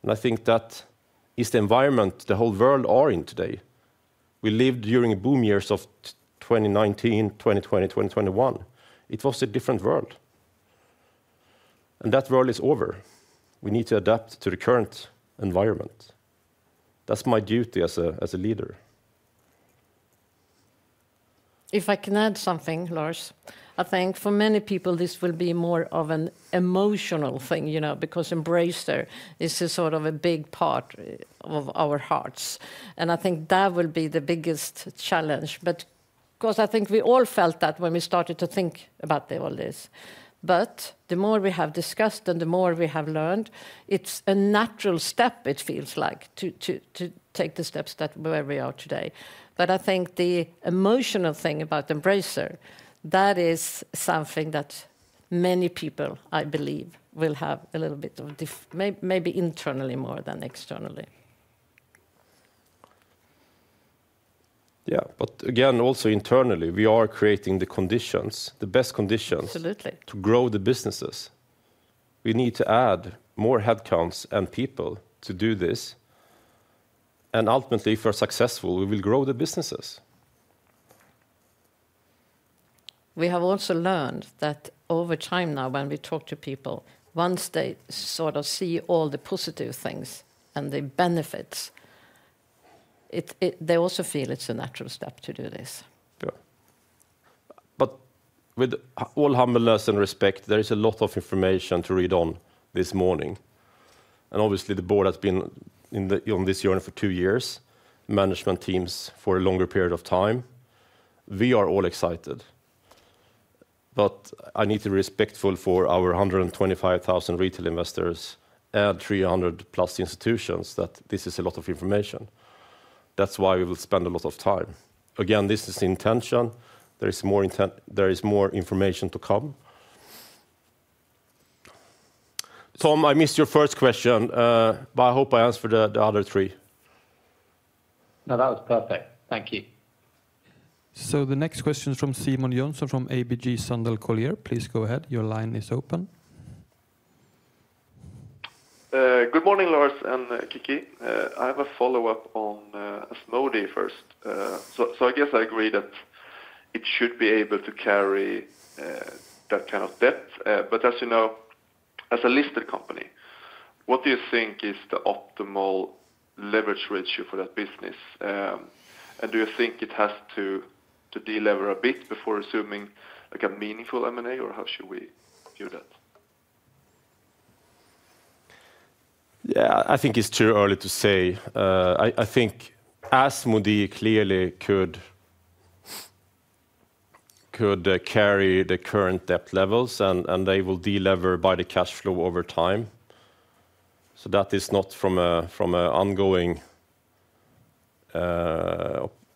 And I think that is the environment the whole world are in today. We lived during boom years of 2019, 2020, 2021. It was a different world, and that world is over. We need to adapt to the current environment. That's my duty as a leader. If I can add something, Lars, I think for many people, this will be more of an emotional thing, you know, because Embracer is a sort of a big part of our hearts, and I think that will be the biggest challenge. But of course, I think we all felt that when we started to think about all this. But the more we have discussed and the more we have learned, it's a natural step, it feels like, to take the steps that where we are today. But I think the emotional thing about Embracer, that is something that many people, I believe, will have a little bit of difficulty maybe internally more than externally. Yeah, but again, also internally, we are creating the conditions, the best conditions- Absolutely To grow the businesses. We need to add more headcounts and people to do this, and ultimately, if we're successful, we will grow the businesses. We have also learned that over time now, when we talk to people, once they sort of see all the positive things and the benefits, it, they also feel it's a natural step to do this. Yeah. But with all humbleness and respect, there is a lot of information to read on this morning, and obviously, the board has been on this journey for two years, management teams for a longer period of time. We are all excited, but I need to be respectful for our 125,000 retail investors and 300+ institutions, that this is a lot of information. That's why we will spend a lot of time. Again, this is the intention. There is more information to come. Tom, I missed your first question, but I hope I answered the other three. No, that was perfect. Thank you. The next question is from Simon Jönsson, from ABG Sundal Collier. Please go ahead. Your line is open. Good morning, Lars and Kicki. I have a follow-up on Asmodee first. So, I guess I agree that it should be able to carry that kind of debt. But as you know, as a listed company, what do you think is the optimal leverage ratio for that business? And do you think it has to delever a bit before assuming, like, a meaningful M&A, or how should we view that? Yeah, I think it's too early to say. I think Asmodee clearly could carry the current debt levels, and they will de-lever by the cash flow over time. So that is not from a ongoing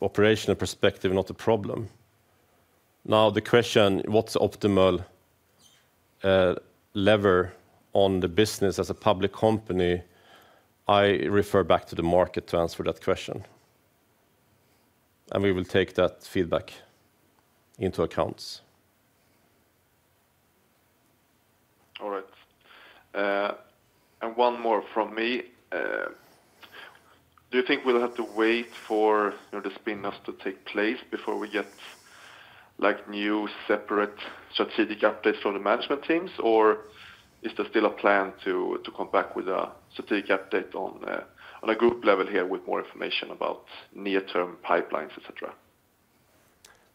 operational perspective, not a problem. Now, the question, what's optimal, lever on the business as a public company, I refer back to the market to answer that question, and we will take that feedback into account. All right. And one more from me. Do you think we'll have to wait for, you know, the spin-offs to take place before we get, like, new separate strategic updates from the management teams? Or is there still a plan to come back with a strategic update on a group level here with more information about near-term pipelines, et cetera?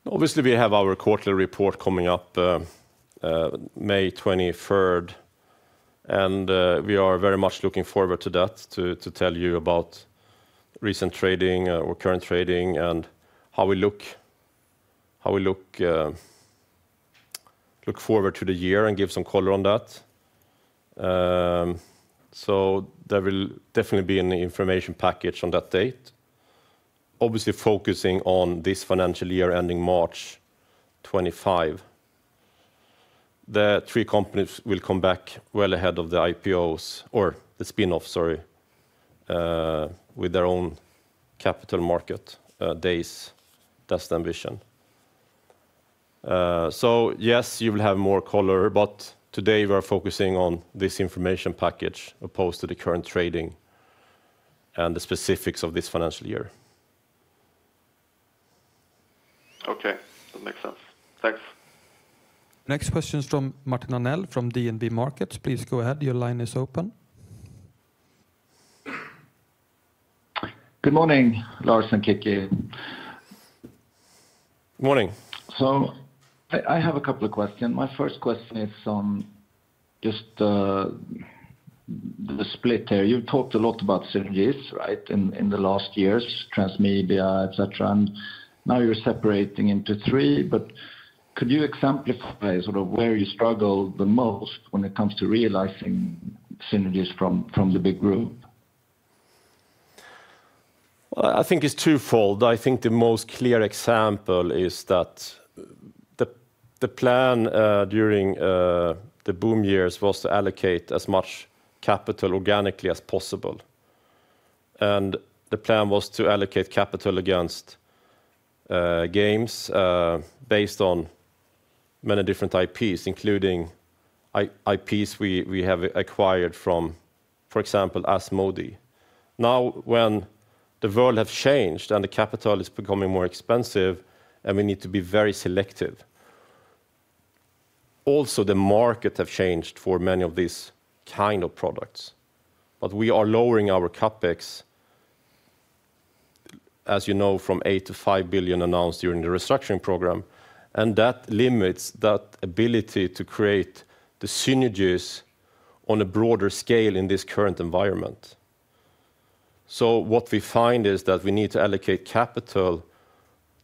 Obviously, we have our quarterly report coming up, May 23rd, and we are very much looking forward to that, to tell you about recent trading or current trading and how we look forward to the year and give some color on that. So there will definitely be an information package on that date. Obviously, focusing on this financial year, ending March 25. The three companies will come back well ahead of the IPOs or the spin-off, sorry, with their own Capital Marcets days. That's the ambition. So yes, you will have more color, but today we are focusing on this information package opposed to the current trading and the specifics of this financial year. Okay, that makes sense. Thanks. Next question is from Martin Arnell, from DNB Marcets. Please go ahead. Your line is open. Good morning, Lars and Kicki. Morning. So I have a couple of questions. My first question is on just the split here. You've talked a lot about synergies, right, in the last years, Transmedia, et cetera, and now you're separating into three. But could you exemplify sort of where you struggle the most when it comes to realizing synergies from the big group? I think it's twofold. I think the most clear example is that the plan during the boom years was to allocate as much capital organically as possible. And the plan was to allocate capital against games based on many different IPs, including IPs we have acquired from, for example, Asmodee. Now, when the world have changed and the capital is becoming more expensive, and we need to be very selective. Also, the market have changed for many of these kind of products, but we are lowering our CapEx, as you know, from 8 billion-5 billion announced during the restructuring program, and that limits that ability to create the synergies on a broader scale in this current environment. So what we find is that we need to allocate capital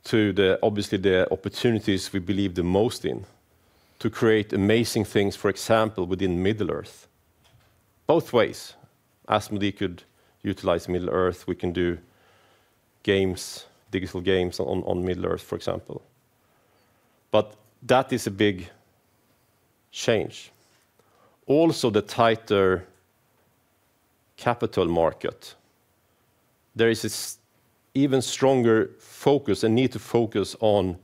to the, obviously, the opportunities we believe the most in, to create amazing things, for example, within Middle-earth. Both ways, Asmodee could utilize Middle-earth. We can do games, digital games on, on Middle-earth, for example. But that is a big change. Also, the tighter capital market, there is this even stronger focus and need to focus on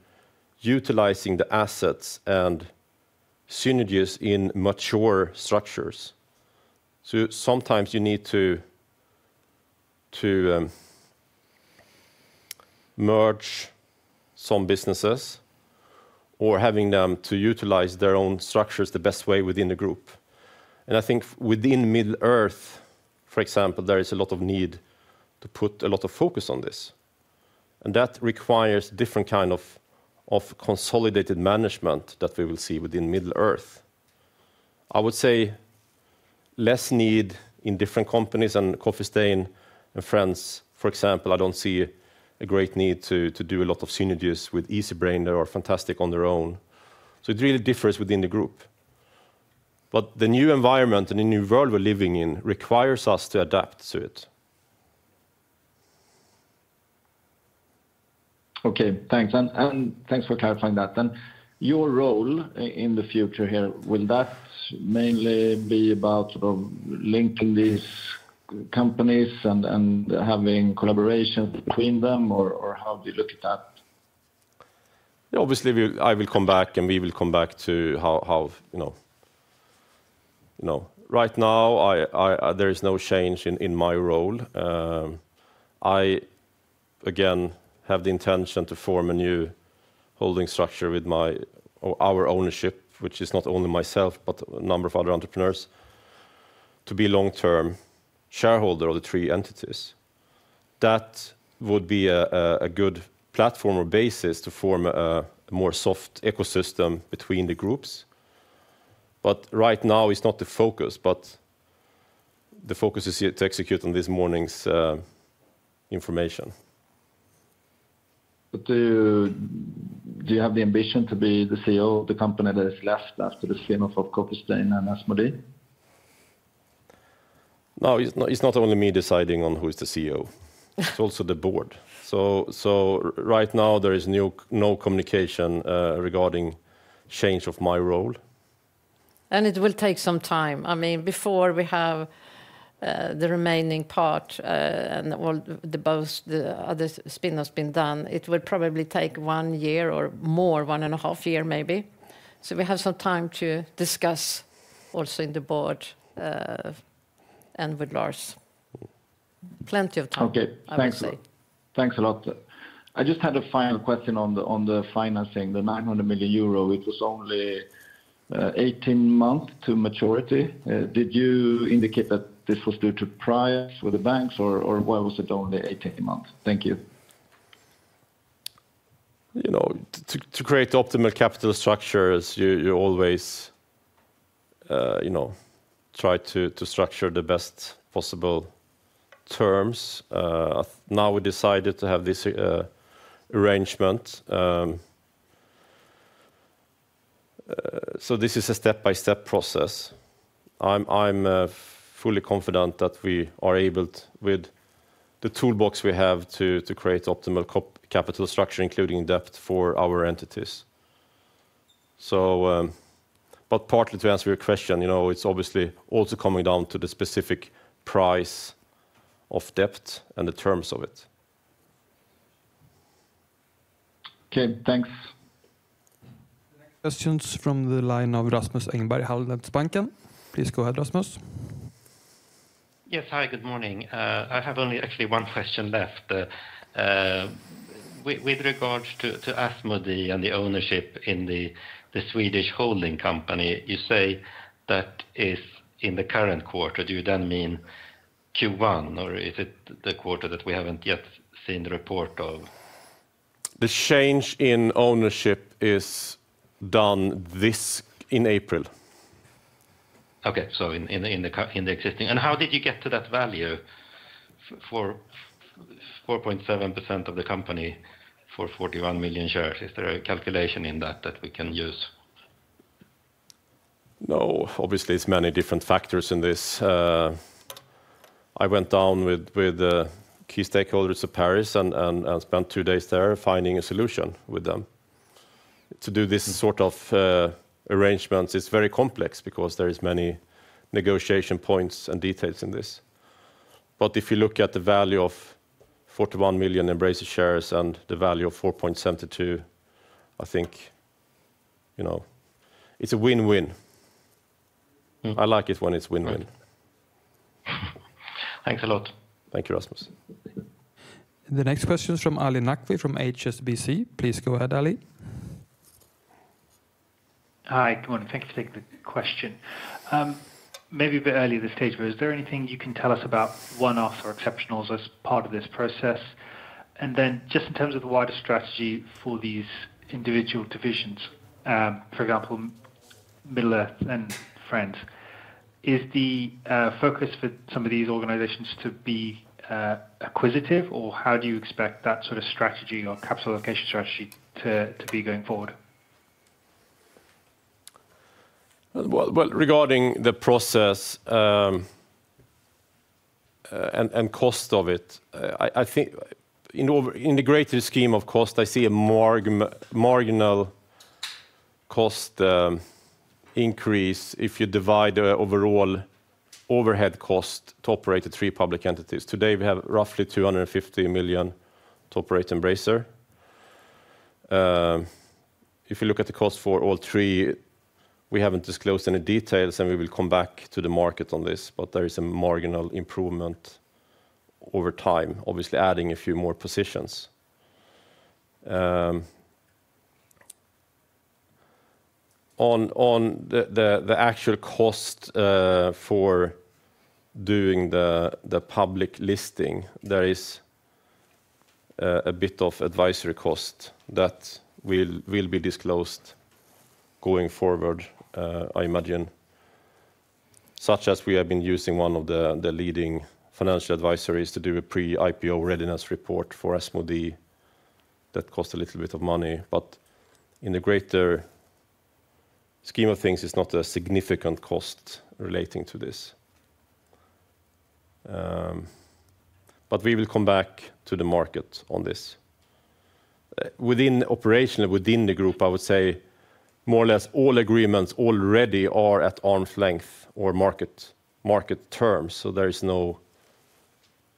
utilizing the assets and synergies in mature structures. So sometimes you need to, to, merge some businesses or having them to utilize their own structures the best way within the group. And I think within Middle-earth, for example, there is a lot of need to put a lot of focus on this, and that requires different kind of, of consolidated management that we will see within Middle-earth. I would say less need in different companies and Coffee Stain & Friends, for example. I don't see a great need to, to do a lot of synergies with Easybrain. They are fantastic on their own. So it really differs within the group. But the new environment and the new world we're living in requires us to adapt to it. Okay, thanks, and thanks for clarifying that. And your role in the future here, will that mainly be about sort of linking these companies and having collaborations between them, or how do you look at that? Obviously, we, I will come back, and we will come back to how you know. Right now, there is no change in my role. Again, I have the intention to form a new holding structure with my, our ownership, which is not only myself, but a number of other entrepreneurs, to be long-term shareholder of the three entities. That would be a good platform or basis to form a more soft ecosystem between the groups. But right now it's not the focus, but the focus is here to execute on this morning's information. Do you have the ambition to be the CEO of the company that is left after the spin-off of Coffee Stain and Asmodee? No, it's not, it's not only me deciding on who is the CEO, it's also the board. So, right now there is no communication regarding change of my role. It will take some time. I mean, before we have the remaining part, and all the both the other spin has been done, it will probably take 1 year or more, 1.5 year, maybe. We have some time to discuss also in the board, and with Lars. Plenty of time, I would say. Okay, thanks. Thanks a lot. I just had a final question on the, on the financing, the 900 million euro. It was only 18 months to maturity. Did you indicate that this was due to price with the banks, or why was it only 18 months? Thank you. You know, to create optimal capital structures, you always, you know, try to structure the best possible terms. Now we decided to have this arrangement. So this is a step-by-step process. I'm fully confident that we are able, with the toolbox we have, to create optimal capital structure, including debt for our entities. So, but partly to answer your question, you know, it's obviously also coming down to the specific price of debt and the terms of it. Okay, thanks. Questions from the line of Rasmus Engberg, Handelsbanken. Please go ahead, Rasmus. Yes. Hi, good morning. I have only actually one question left. With regards to Asmodee and the ownership in the Swedish holding company, you say that is in the current quarter. Do you then mean Q1, or is it the quarter that we haven't yet seen the report of? The change in ownership is done in April. Okay, so in the existing. And how did you get to that value for 4.7% of the company for 41 million shares? Is there a calculation in that that we can use? No, obviously, it's many different factors in this. I went down with the key stakeholders of Paris and spent two days there finding a solution with them. To do this sort of arrangements, it's very complex because there is many negotiation points and details in this. But if you look at the value of 41 million Embracer shares and the value of 4.72, I think, you know, it's a win-win. I like it when it's win-win. Thanks a lot. Thank you, Rasmus. The next question is from Ali Naqvi from HSBC. Please go ahead, Ali. Hi, good morning. Thank you for taking the question. Maybe a bit early in the stage, but is there anything you can tell us about one-offs or exceptionals as part of this process? And then just in terms of the wider strategy for these individual divisions, for example, Middle-earth and Friends, is the focus for some of these organizations to be acquisitive, or how do you expect that sort of strategy or capital allocation strategy to be going forward? Well, well, regarding the process, and cost of it, I think in the greater scheme of cost, I see a marginal cost increase if you divide the overall overhead cost to operate the three public entities. Today, we have roughly 250 million to operate Embracer. If you look at the cost for all three, we haven't disclosed any details, and we will come back to the market on this, but there is a marginal improvement over time, obviously adding a few more positions. On the actual cost for doing the public listing, there is a bit of advisory cost that will be disclosed going forward, I imagine. Such as we have been using one of the leading financial advisories to do a pre-IPO readiness report for Asmodee, that cost a little bit of money, but in the greater scheme of things, it's not a significant cost relating to this. But we will come back to the market on this. Within operation, within the group, I would say more or less all agreements already are at arm's length or market terms, so there is no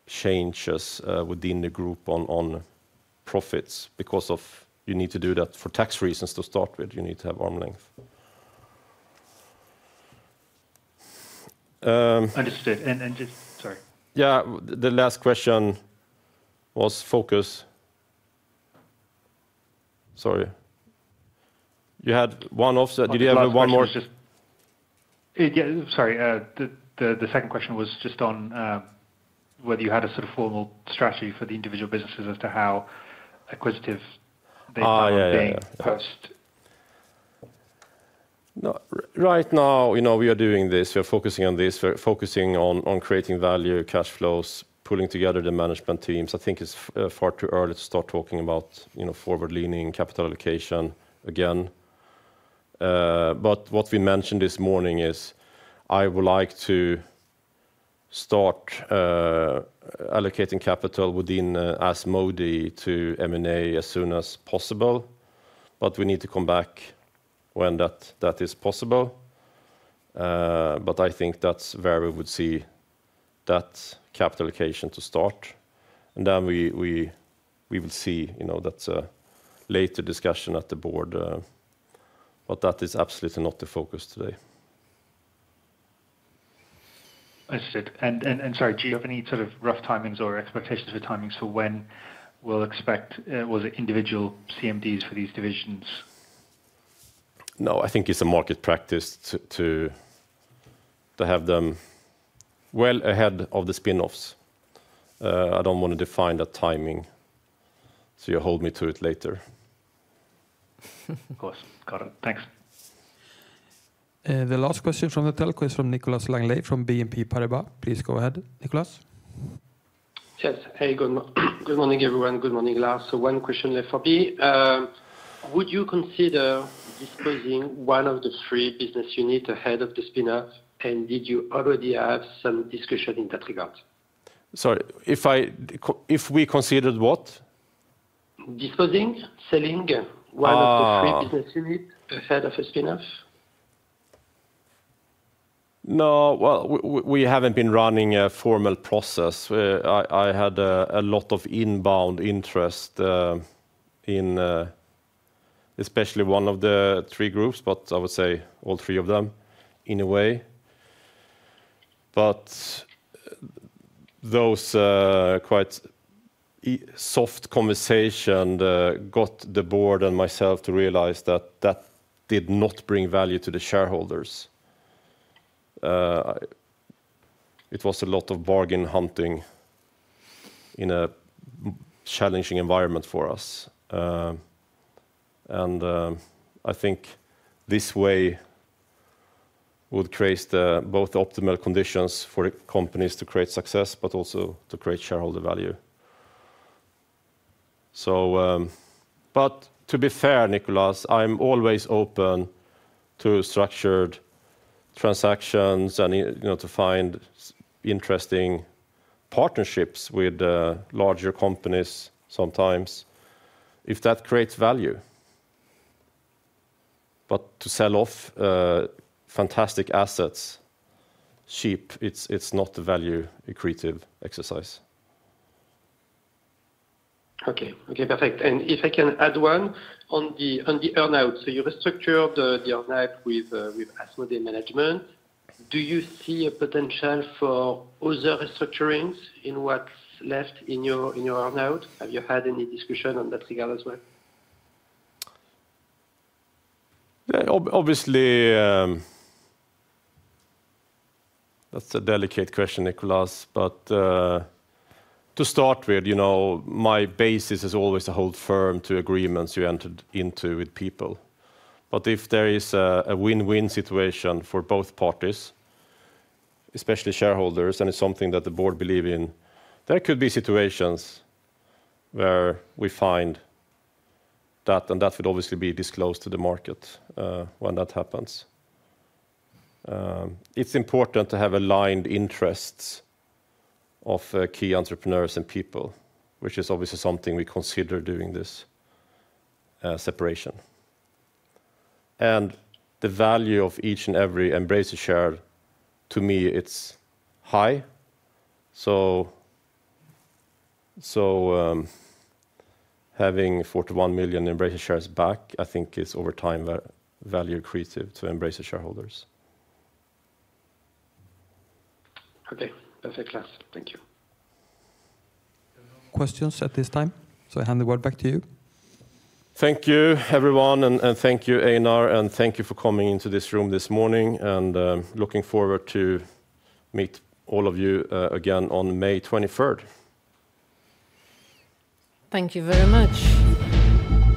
changes within the group on profits because of you need to do that for tax reasons to start with. You need to have arm's length. Understood. Sorry. Yeah. The last question was focus. Sorry, you had one off, so did you have one more? Yeah, sorry, the second question was just on whether you had a sort of formal strategy for the individual businesses as to how acquisitive they- Ah, yeah, yeah. Post. No, right now, you know, we are doing this, we are focusing on this. We're focusing on creating value, cash flows, pulling together the management teams. I think it's far too early to start talking about, you know, forward-leaning capital allocation again. But what we mentioned this morning is, I would like to start allocating capital within Asmodee to M&A as soon as possible, but we need to come back when that is possible. But I think that's where we would see that capital allocation to start, and then we will see, you know, that's a later discussion at the board, but that is absolutely not the focus today. Understood. Sorry, do you have any sort of rough timings or expectations for timings for when we'll expect the individual CMDs for these divisions? No, I think it's a market practice to have them well ahead of the spin-offs. I don't want to define the timing, so you hold me to it later. Of course, got it. Thanks. The last question from the telco is from Nicolas Langlet from BNP Paribas. Please go ahead, Nicolas. Yes. Hey, good morning, everyone. Good morning, Lars. So one question left for me. Would you consider disposing one of the three business unit ahead of the spin-off, and did you already have some discussion in that regard? Sorry, if we considered what? Disposing, selling. Ah. one of the three business units ahead of a spin-off? No, well, we haven't been running a formal process. I had a lot of inbound interest, especially in one of the three groups, but I would say all three of them in a way. But those quite soft conversations got the board and myself to realize that that did not bring value to the shareholders. It was a lot of bargain hunting in a challenging environment for us. And I think this way would create the both optimal conditions for companies to create success, but also to create shareholder value. So, but to be fair, Nicolas, I'm always open to structured transactions and, you know, to find interesting partnerships with larger companies sometimes, if that creates value. But to sell off fantastic assets cheap, it's not a value-accretive exercise. Okay. Okay, perfect. And if I can add one on the earn-out. So you restructure the earn-out with Asmodee management. Do you see a potential for other restructurings in what's left in your earn-out? Have you had any discussion on that regard as well? Yeah, obviously, that's a delicate question, Nicolas. But, to start with, you know, my basis is always to hold firm to agreements you entered into with people. But if there is a win-win situation for both parties, especially shareholders, and it's something that the board believe in, there could be situations where we find that, and that would obviously be disclosed to the market, when that happens. It's important to have aligned interests of key entrepreneurs and people, which is obviously something we consider doing this separation. And the value of each and every Embracer share, to me, it's high. So, having 41 million Embracer shares back, I think is over time, value accretive to Embracer shareholders. Okay. Perfect, Lars. Thank you. No questions at this time, so I hand the word back to you. Thank you, everyone, and thank you, Einar, and thank you for coming into this room this morning, and looking forward to meet all of you, again, on May twenty-third. Thank you very much.